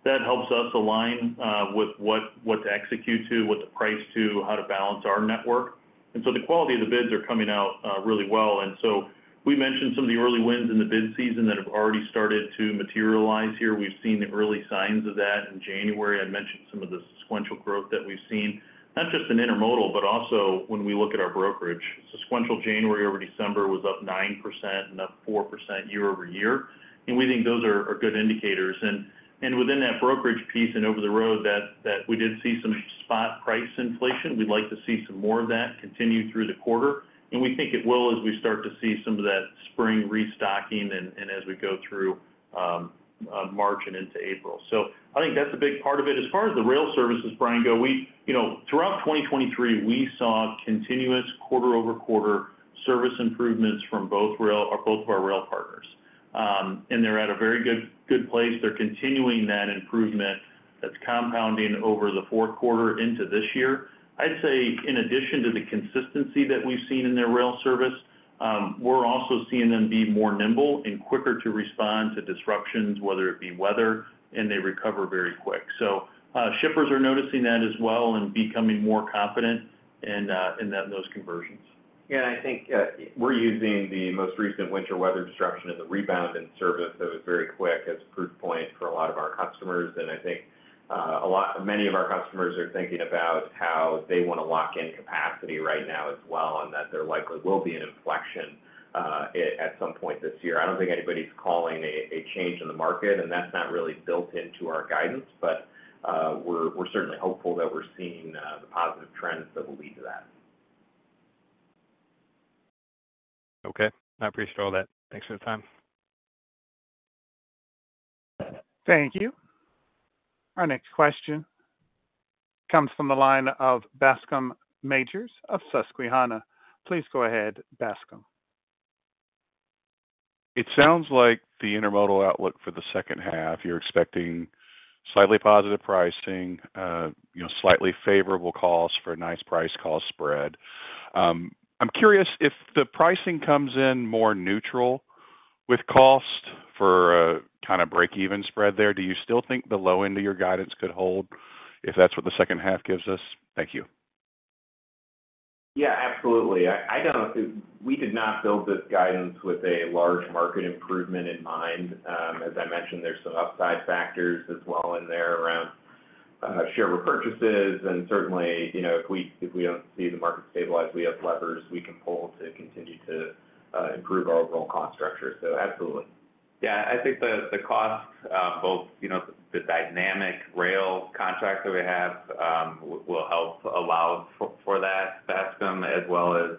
[SPEAKER 4] That helps us align with what to execute to, what to price to, how to balance our network. And so the quality of the bids are coming out really well. And so we mentioned some of the early wins in the bid season that have already started to materialize here. We've seen the early signs of that in January. I mentioned some of the sequential growth that we've seen, not just in intermodal, but also when we look at our brokerage. Sequential January over December was up 9% and up 4% year-over-year, and we think those are good indicators. And within that brokerage piece and over the road, that we did see some spot price inflation. We'd like to see some more of that continue through the quarter, and we think it will as we start to see some of that spring restocking and as we go through March and into April. So I think that's a big part of it. As far as the rail services, Brian, go, we... You know, throughout 2023, we saw continuous quarter-over-quarter service improvements from both rail, or both of our rail partners. And they're at a very good place. They're continuing that improvement that's compounding over the Q4 into this year. I'd say in addition to the consistency that we've seen in their rail service, we're also seeing them be more nimble and quicker to respond to disruptions, whether it be weather, and they recover very quick. So, shippers are noticing that as well and becoming more confident in those conversions.
[SPEAKER 2] Yeah, I think we're using the most recent winter weather disruption as a rebound in service that was very quick, as a proof point for a lot of our customers. And I think many of our customers are thinking about how they want to lock in capacity right now as well, and that there likely will be an inflection at some point this year. I don't think anybody's calling a change in the market, and that's not really built into our guidance. But we're certainly hopeful that we're seeing the positive trends that will lead to that.
[SPEAKER 9] Okay. I appreciate all that. Thanks for the time.
[SPEAKER 1] Thank you. Our next question comes from the line of Bascome Majors of Susquehanna. Please go ahead, Bascom.
[SPEAKER 10] It sounds like the intermodal outlook for the H2, you're expecting slightly positive pricing, you know, slightly favorable costs for a nice price-cost spread. I'm curious, if the pricing comes in more neutral with cost for a kind of break-even spread there, do you still think the low end of your guidance could hold, if that's what the H2 gives us? Thank you.
[SPEAKER 2] Yeah, absolutely. I don't. We did not build this guidance with a large market improvement in mind. As I mentioned, there's some upside factors as well in there around share repurchases. And certainly, you know, if we don't see the market stabilize, we have levers we can pull to continue to improve our overall cost structure. So absolutely.
[SPEAKER 3] Yeah, I think the costs, both, you know, the dynamic rail contracts that we have, will help allow for, for that, Bascom, as well as,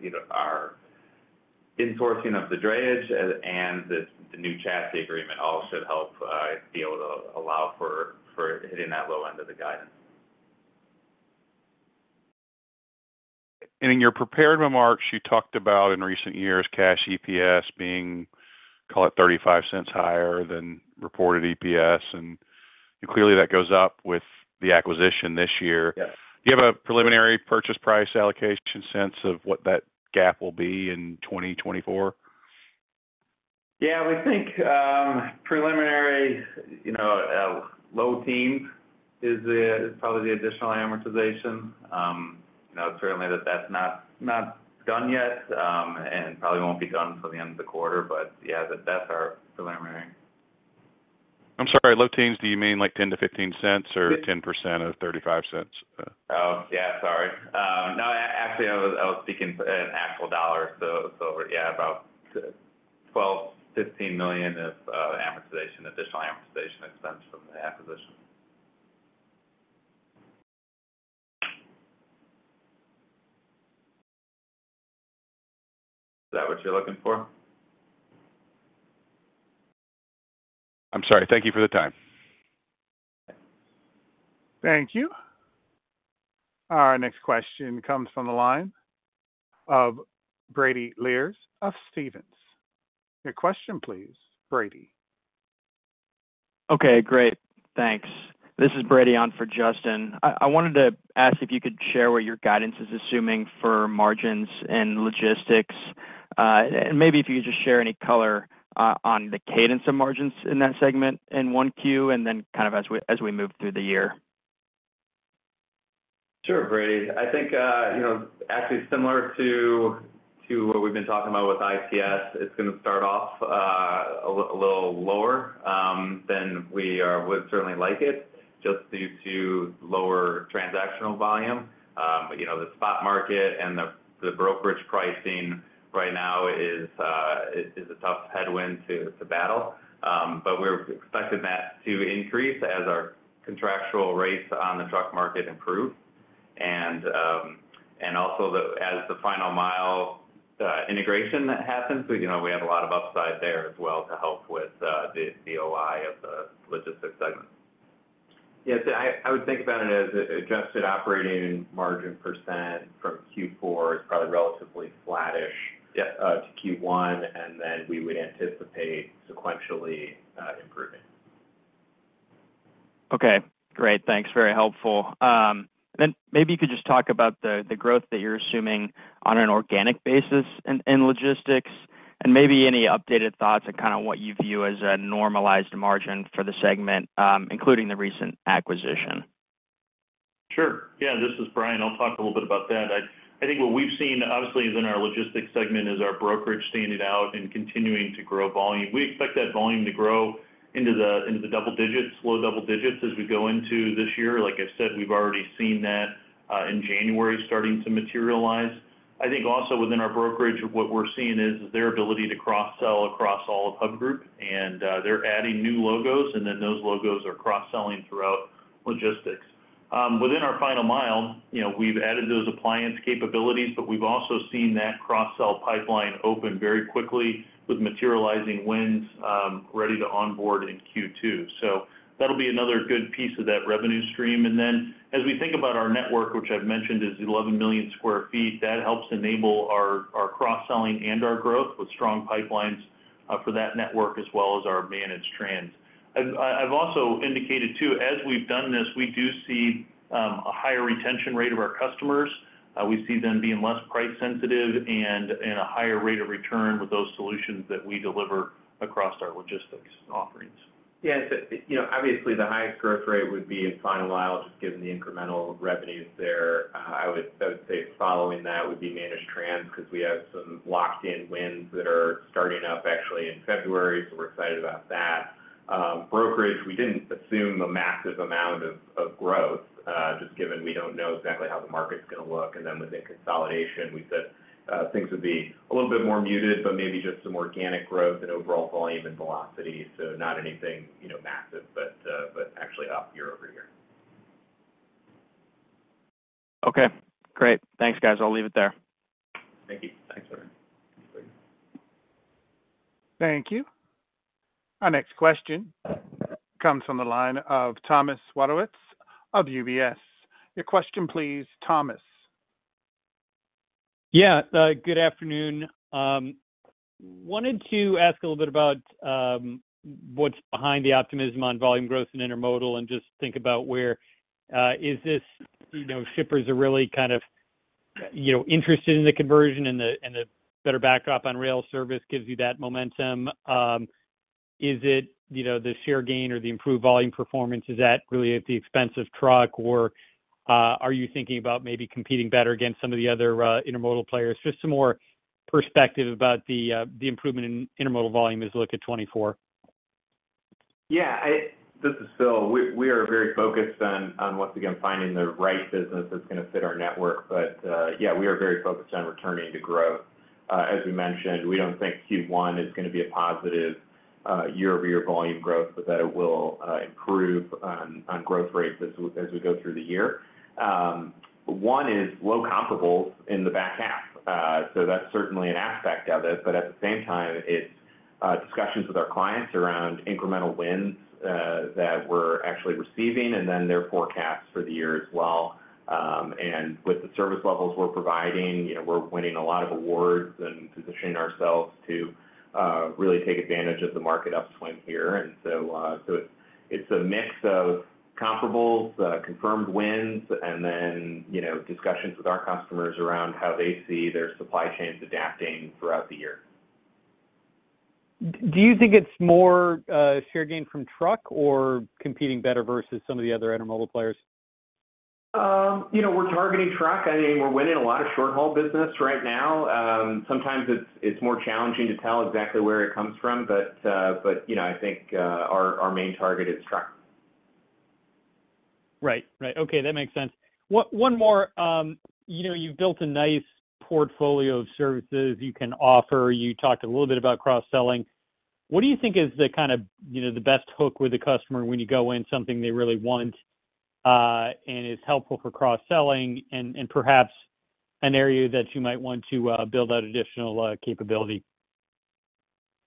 [SPEAKER 3] you know, our enforcing of the drayage and the new chassis agreement all should help, be able to allow for, for hitting that low end of the guidance.
[SPEAKER 10] In your prepared remarks, you talked about in recent years, cash EPS being... call it $0.35 higher than reported EPS, and clearly, that goes up with the acquisition this year.
[SPEAKER 4] Yes.
[SPEAKER 10] Do you have a preliminary purchase price allocation sense of what that gap will be in 2024?
[SPEAKER 4] Yeah, we think, preliminary, you know, low teens is probably the additional amortization. You know, certainly that's not done yet, and probably won't be done until the end of the quarter. But yeah, that's our preliminary.
[SPEAKER 10] I'm sorry, low teens, do you mean like $0.10-$0.15 or 10% of $0.35?
[SPEAKER 4] Oh, yeah, sorry. No, actually, I was thinking an actual dollar. So yeah, about $12-$15 million of amortization, additional amortization expense from the acquisition. Is that what you're looking for?
[SPEAKER 10] I'm sorry. Thank you for the time.
[SPEAKER 1] Thank you. Our next question comes from the line of Brady Lierz of Stephens. Your question, please, Brady.
[SPEAKER 11] Okay, great. Thanks. This is Brady on for Justin. I wanted to ask if you could share what your guidance is assuming for margins and logistics, and maybe if you could just share any color on the cadence of margins in that segment in 1Q, and then kind of as we move through the year.
[SPEAKER 2] Sure, Brady. I think, you know, actually similar to what we've been talking about with ICS, it's going to start off a little lower than we are, would certainly like it just due to lower transactional volume. But you know, the spot market and the brokerage pricing right now is a tough headwind to battle. But we're expecting that to increase as our contractual rates on the truck market improve. And also, as the final mile integration that happens, you know, we have a lot of upside there as well to help with the OI of the logistics segment. Yes, I would think about it as adjusted operating margin % from Q4 is probably relatively flattish, yeah, to Q1, and then we would anticipate sequentially improving.
[SPEAKER 11] Okay, great. Thanks, very helpful. Then maybe you could just talk about the growth that you're assuming on an organic basis in logistics, and maybe any updated thoughts on kind of what you view as a normalized margin for the segment, including the recent acquisition?
[SPEAKER 3] Sure. Yeah, this is Brian. I'll talk a little bit about that. I think what we've seen obviously is in our logistics segment, is our brokerage standing out and continuing to grow volume. We expect that volume to grow into the double digits, low double digits, as we go into this year. Like I said, we've already seen that in January, starting to materialize. I think also within our brokerage, what we're seeing is their ability to cross-sell across all of Hub Group, and they're adding new logos, and then those logos are cross-selling throughout logistics. Within our final mile, you know, we've added those appliance capabilities, but we've also seen that cross-sell pipeline open very quickly with materializing wins, ready to onboard in Q2. So that'll be another good piece of that revenue stream. As we think about our network, which I've mentioned is 11 million sq ft, that helps enable our cross-selling and our growth with strong pipelines for that network, as well as our managed transportation. I've also indicated, too, as we've done this, we do see a higher retention rate of our customers. We see them being less price sensitive and a higher rate of return with those solutions that we deliver across our logistics offerings.
[SPEAKER 2] Yes, you know, obviously, the highest growth rate would be in final mile, just given the incremental revenues there. I would, I would say following that would be managed transportation because we have some locked-in wins that are starting up actually in February, so we're excited about that. Brokerage, we didn't assume a massive amount of growth, just given we don't know exactly how the market's going to look. And then within consolidation, we said things would be a little bit more muted, but maybe just some organic growth and overall volume and velocity. So not anything, you know, massive, but actually up year-over-year.
[SPEAKER 11] Okay, great. Thanks, guys. I'll leave it there.
[SPEAKER 2] Thank you.
[SPEAKER 3] Thanks, Brady.
[SPEAKER 1] Thank you. Our next question comes from the line of Thomas Wadewitz of UBS. Your question, please, Thomas.
[SPEAKER 12] Yeah, good afternoon. Wanted to ask a little bit about, what's behind the optimism on volume growth in intermodal, and just think about where, is this, you know, shippers are really kind of, you know, interested in the conversion and the, and the better backup on rail service gives you that momentum. Is it, you know, the share gain or the improved volume performance, is that really at the expense of truck, or, are you thinking about maybe competing better against some of the other, intermodal players? Just some more perspective about the, the improvement in intermodal volume as you look at 2024.
[SPEAKER 2] Yeah, this is Phil. We are very focused on once again finding the right business that's going to fit our network. But yeah, we are very focused on returning to growth. As we mentioned, we don't think Q1 is going to be a positive year-over-year volume growth, but that it will improve on growth rates as we go through the year. One is low comparables in the back half. So that's certainly an aspect of it, but at the same time, it's discussions with our clients around incremental wins that we're actually receiving and then their forecasts for the year as well. And with the service levels we're providing, you know, we're winning a lot of awards and positioning ourselves to really take advantage of the market upswing here. So it's a mix of comparables, confirmed wins, and then, you know, discussions with our customers around how they see their supply chains adapting throughout the year.
[SPEAKER 12] Do you think it's more share gain from truck or competing better versus some of the other intermodal players?
[SPEAKER 2] You know, we're targeting truck. I mean, we're winning a lot of short-haul business right now. Sometimes it's more challenging to tell exactly where it comes from, but you know, I think our main target is truck.
[SPEAKER 12] Right. Right. Okay, that makes sense. One more, you know, you've built a nice portfolio of services you can offer. You talked a little bit about cross-selling. What do you think is the kind of, you know, the best hook with the customer when you go in, something they really want, and is helpful for cross-selling and perhaps an area that you might want to build out additional capability?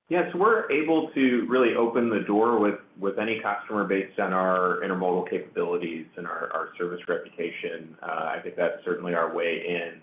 [SPEAKER 2] Yeah, so we're able to really open the door with, with any customer based on our Intermodal capabilities and our, our service reputation. I think that's certainly our way in.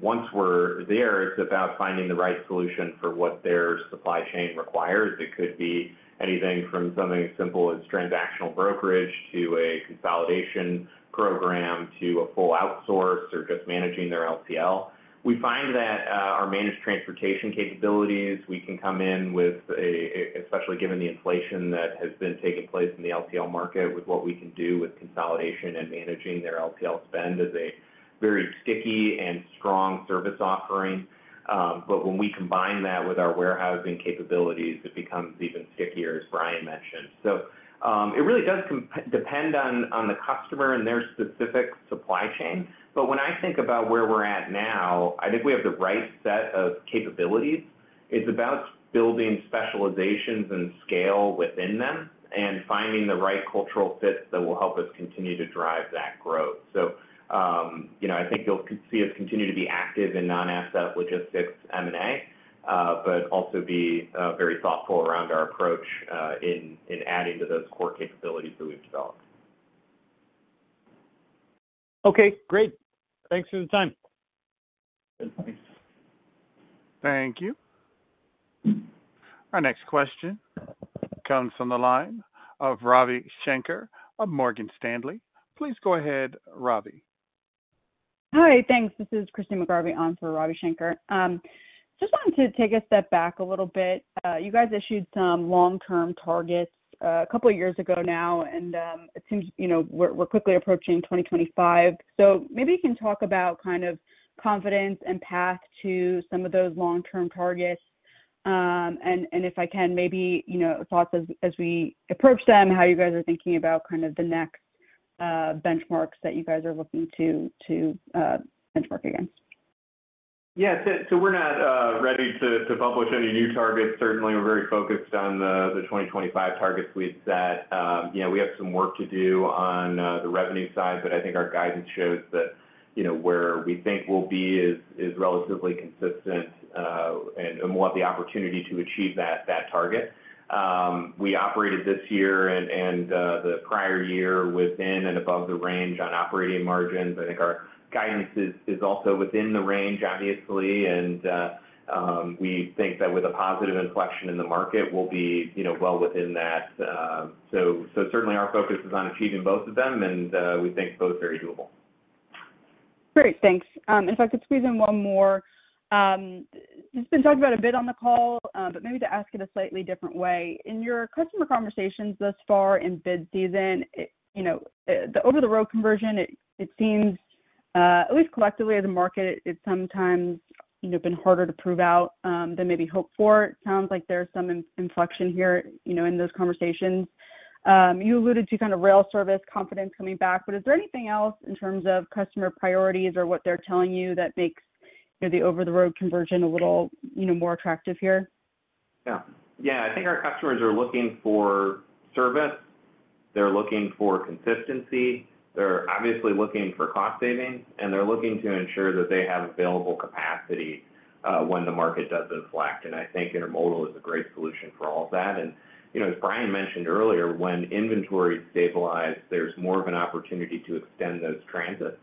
[SPEAKER 2] Once we're there, it's about finding the right solution for what their supply chain requires. It could be anything from something as simple as transactional brokerage to a consolidation program, to a full outsource or just managing their LTL. We find that our managed transportation capabilities, we can come in with, especially given the inflation that has been taking place in the LTL market, with what we can do with consolidation and managing their LTL spend, is a very sticky and strong service offering. But when we combine that with our warehousing capabilities, it becomes even stickier, as Brian mentioned. So, it really does depend on the customer and their specific supply chain. But when I think about where we're at now, I think we have the right set of capabilities. It's about building specializations and scale within them and finding the right cultural fit that will help us continue to drive that growth. So, you know, I think you'll see us continue to be active in non-asset logistics M&A, but also be very thoughtful around our approach, in adding to those core capabilities that we've developed.
[SPEAKER 12] Okay, great. Thanks for the time.
[SPEAKER 2] Thanks.
[SPEAKER 1] Thank you. Our next question comes from the line of Ravi Shanker of Morgan Stanley. Please go ahead, Ravi.
[SPEAKER 13] Hi, thanks. This is Christyne McGarvey on for Ravi Shanker. Just wanted to take a step back a little bit. You guys issued some long-term targets a couple of years ago now, and it seems, you know, we're quickly approaching 2025. So maybe you can talk about kind of confidence and path to some of those long-term targets. And if I can maybe, you know, thoughts as we approach them, how you guys are thinking about kind of the next benchmarks that you guys are looking to benchmark against.
[SPEAKER 2] Yeah, so we're not ready to publish any new targets. Certainly, we're very focused on the 2025 targets we'd set. You know, we have some work to do on the revenue side, but I think our guidance shows that, you know, where we think we'll be is relatively consistent, and we'll have the opportunity to achieve that target. We operated this year and the prior year within and above the range on operating margins. I think our guidance is also within the range, obviously, and we think that with a positive inflection in the market, we'll be, you know, well within that. So, certainly our focus is on achieving both of them, and we think both are very doable.
[SPEAKER 13] Great, thanks. If I could squeeze in one more. It's been talked about a bit on the call, but maybe to ask it a slightly different way. In your customer conversations thus far in bid season, it, you know, the over-the-road conversion, it, it seems, at least collectively, as a market, it's sometimes, you know, been harder to prove out, than maybe hoped for. It sounds like there's some inflection here, you know, in those conversations. You alluded to kind of rail service confidence coming back, but is there anything else in terms of customer priorities or what they're telling you that makes, you know, the over-the-road conversion a little, you know, more attractive here?
[SPEAKER 2] Yeah. Yeah, I think our customers are looking for service, they're looking for consistency, they're obviously looking for cost savings, and they're looking to ensure that they have available capacity when the market does inflect. And I think intermodal is a great solution for all of that. And, you know, as Brian mentioned earlier, when inventory stabilize, there's more of an opportunity to extend those transits,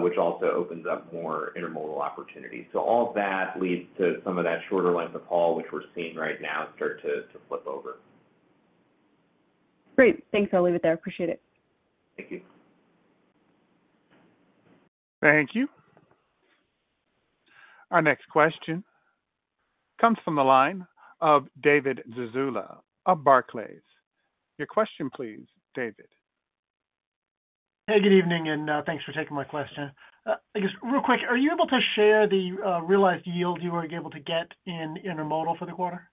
[SPEAKER 2] which also opens up more intermodal opportunities. So all of that leads to some of that shorter length of haul, which we're seeing right now start to flip over.
[SPEAKER 13] Great. Thanks. I'll leave it there. Appreciate it.
[SPEAKER 2] Thank you.
[SPEAKER 1] Thank you. Our next question comes from the line of David Zazula of Barclays. Your question, please, David.
[SPEAKER 14] Hey, good evening, and thanks for taking my question. I guess, real quick, are you able to share the realized yield you were able to get in intermodal for the quarter?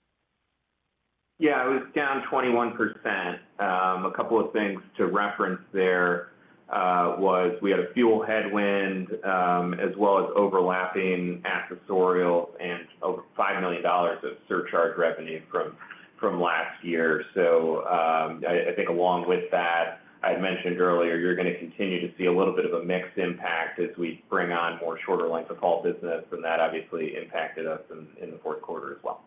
[SPEAKER 2] Yeah, it was down 21%. A couple of things to reference there, was we had a fuel headwind, as well as overlapping accessorial and over $5 million of surcharge revenue from last year. So, I, I think along with that, I had mentioned earlier, you're going to continue to see a little bit of a mixed impact as we bring on more shorter length of haul business, and that obviously impacted us in the Q4 as well.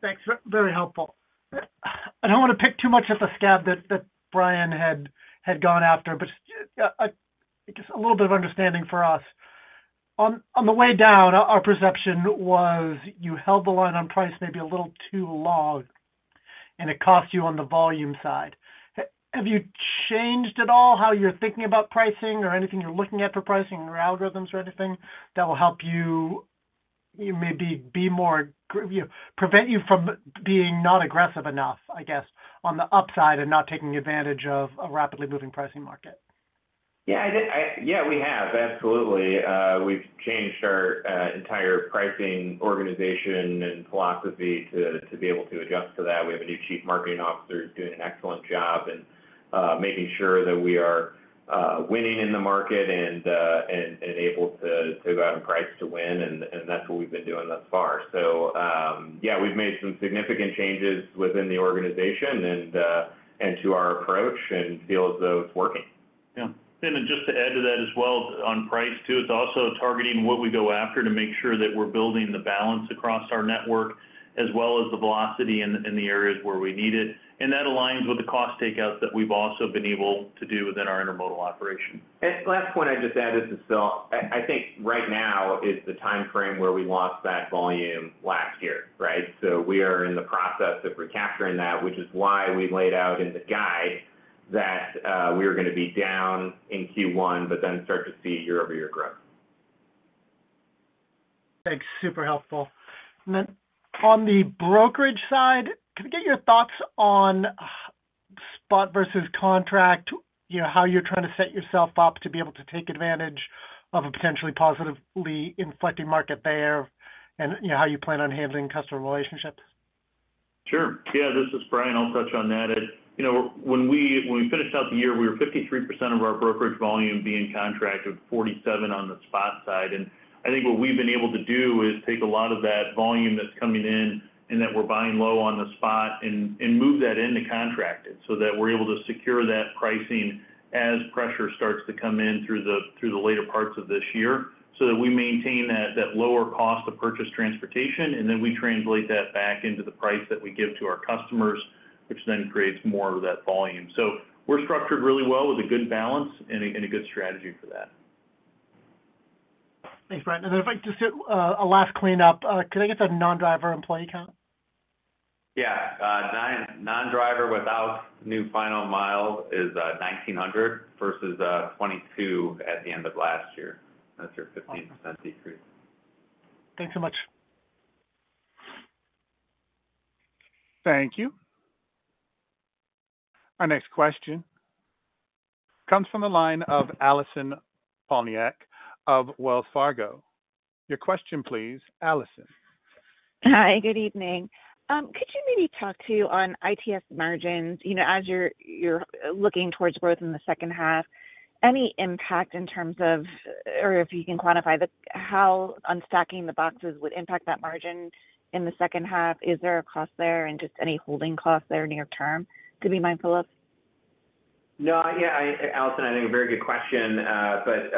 [SPEAKER 14] Thanks, very helpful. I don't want to pick too much at the scab that Brian had gone after, but just a little bit of understanding for us. On the way down, our perception was you held the line on price maybe a little too long, and it cost you on the volume side. Have you changed at all how you're thinking about pricing or anything you're looking at for pricing or algorithms or anything that will help you maybe be more, you know, prevent you from being not aggressive enough, I guess, on the upside, and not taking advantage of a rapidly moving pricing market?
[SPEAKER 2] Yeah, I did... Yeah, we have, absolutely. We've changed our entire pricing organization and philosophy to be able to adjust to that. We have a new chief marketing officer doing an excellent job in making sure that we are winning in the market and able to go out and price to win, and that's what we've been doing thus far. So, yeah, we've made some significant changes within the organization and to our approach, and feel as though it's working.
[SPEAKER 3] Yeah. And then just to add to that as well, on price, too, it's also targeting what we go after to make sure that we're building the balance across our network, as well as the velocity in the areas where we need it. And that aligns with the cost takeout that we've also been able to do within our intermodal operation.
[SPEAKER 4] And last point I'd just add is, Phil, I think right now is the timeframe where we lost that volume last year, right? So we are in the process of recapturing that, which is why we laid out in the guide that we were going to be down in Q1, but then start to see year-over-year growth.
[SPEAKER 14] Thanks. Super helpful. And then on the brokerage side, could we get your thoughts on spot versus contract? You know, how you're trying to set yourself up to be able to take advantage of a potentially positively inflecting market there, and, you know, how you plan on handling customer relationships.
[SPEAKER 3] Sure. Yeah, this is Brian. I'll touch on that. As, you know, when we, when we finished out the year, we were 53% of our brokerage volume being contracted, 47% on the spot side. And I think what we've been able to do is take a lot of that volume that's coming in, and that we're buying low on the spot, and, and move that into contracted, so that we're able to secure that pricing as pressure starts to come in through the, through the later parts of this year. So that we maintain that, that lower cost of purchase transportation, and then we translate that back into the price that we give to our customers, which then creates more of that volume. So we're structured really well with a good balance and a, and a good strategy for that.
[SPEAKER 14] Thanks, Brian. And then if I could just get a last cleanup. Could I get the non-driver employee count?
[SPEAKER 2] Yeah. Non-driver without new final mile is 1,900 versus 22 at the end of last year. That's your 15% decrease.
[SPEAKER 14] Thanks so much.
[SPEAKER 1] Thank you. Our next question comes from the line of Allison Poliniak of Wells Fargo. Your question, please, Allison.
[SPEAKER 15] Hi, good evening. Could you maybe talk to on ITS margins, you know, as you're looking towards growth in the H2, any impact in terms of, or if you can quantify how unstacking the boxes would impact that margin in the H2? Is there a cost there, and just any holding costs that are near-term to be mindful of?
[SPEAKER 2] No. Yeah, Allison, I think a very good question. But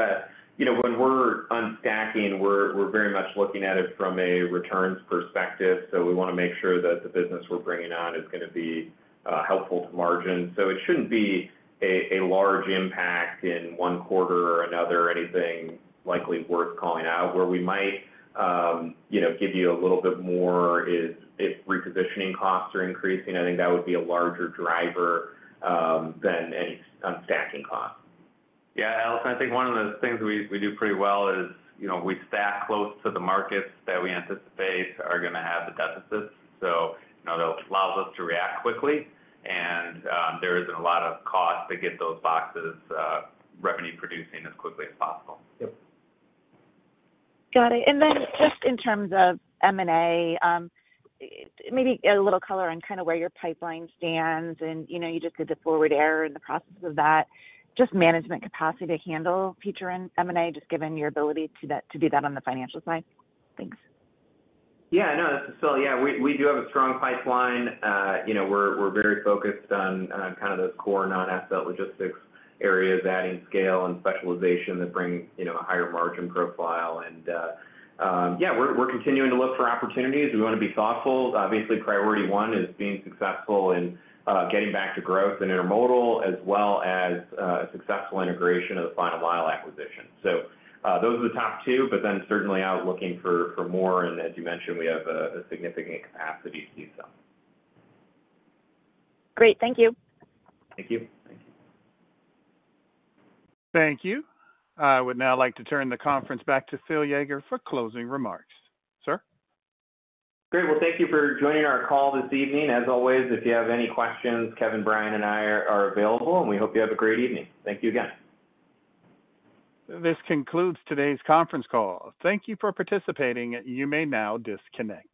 [SPEAKER 2] you know, when we're unstacking, we're very much looking at it from a returns perspective. So we want to make sure that the business we're bringing on is going to be helpful to margin. So it shouldn't be a large impact in one quarter or another, or anything likely worth calling out. Where we might you know give you a little bit more is if repositioning costs are increasing. I think that would be a larger driver than any unstacking costs.
[SPEAKER 3] Yeah, Allison, I think one of the things we, we do pretty well is, you know, we stack close to the markets that we anticipate are going to have the deficits, so, you know, that allows us to react quickly. And, there isn't a lot of cost to get those boxes, revenue producing as quickly as possible.
[SPEAKER 2] Yep.
[SPEAKER 15] Got it. Then just in terms of M&A, maybe a little color on kind of where your pipeline stands and, you know, you just did the Forward Air in the process of that. Just management capacity to handle future M&A, just given your ability to do that on the financial side. Thanks.
[SPEAKER 2] Yeah, no, this is Phil. Yeah, we do have a strong pipeline. You know, we're very focused on kind of those core non-asset logistics areas, adding scale and specialization that bring, you know, a higher margin profile. Yeah, we're continuing to look for opportunities. We want to be thoughtful. Obviously, priority one is being successful and getting back to growth in intermodal, as well as successful integration of the final mile acquisition. So, those are the top two, but then certainly out looking for more, and as you mentioned, we have a significant capacity to do so.
[SPEAKER 15] Great. Thank you.
[SPEAKER 2] Thank you.
[SPEAKER 3] Thank you.
[SPEAKER 1] Thank you. I would now like to turn the conference back to Phil Yeager for closing remarks. Sir?
[SPEAKER 2] Great. Well, thank you for joining our call this evening. As always, if you have any questions, Kevin, Brian, and I are available, and we hope you have a great evening. Thank you again.
[SPEAKER 1] This concludes today's conference call. Thank you for participating. You may now disconnect.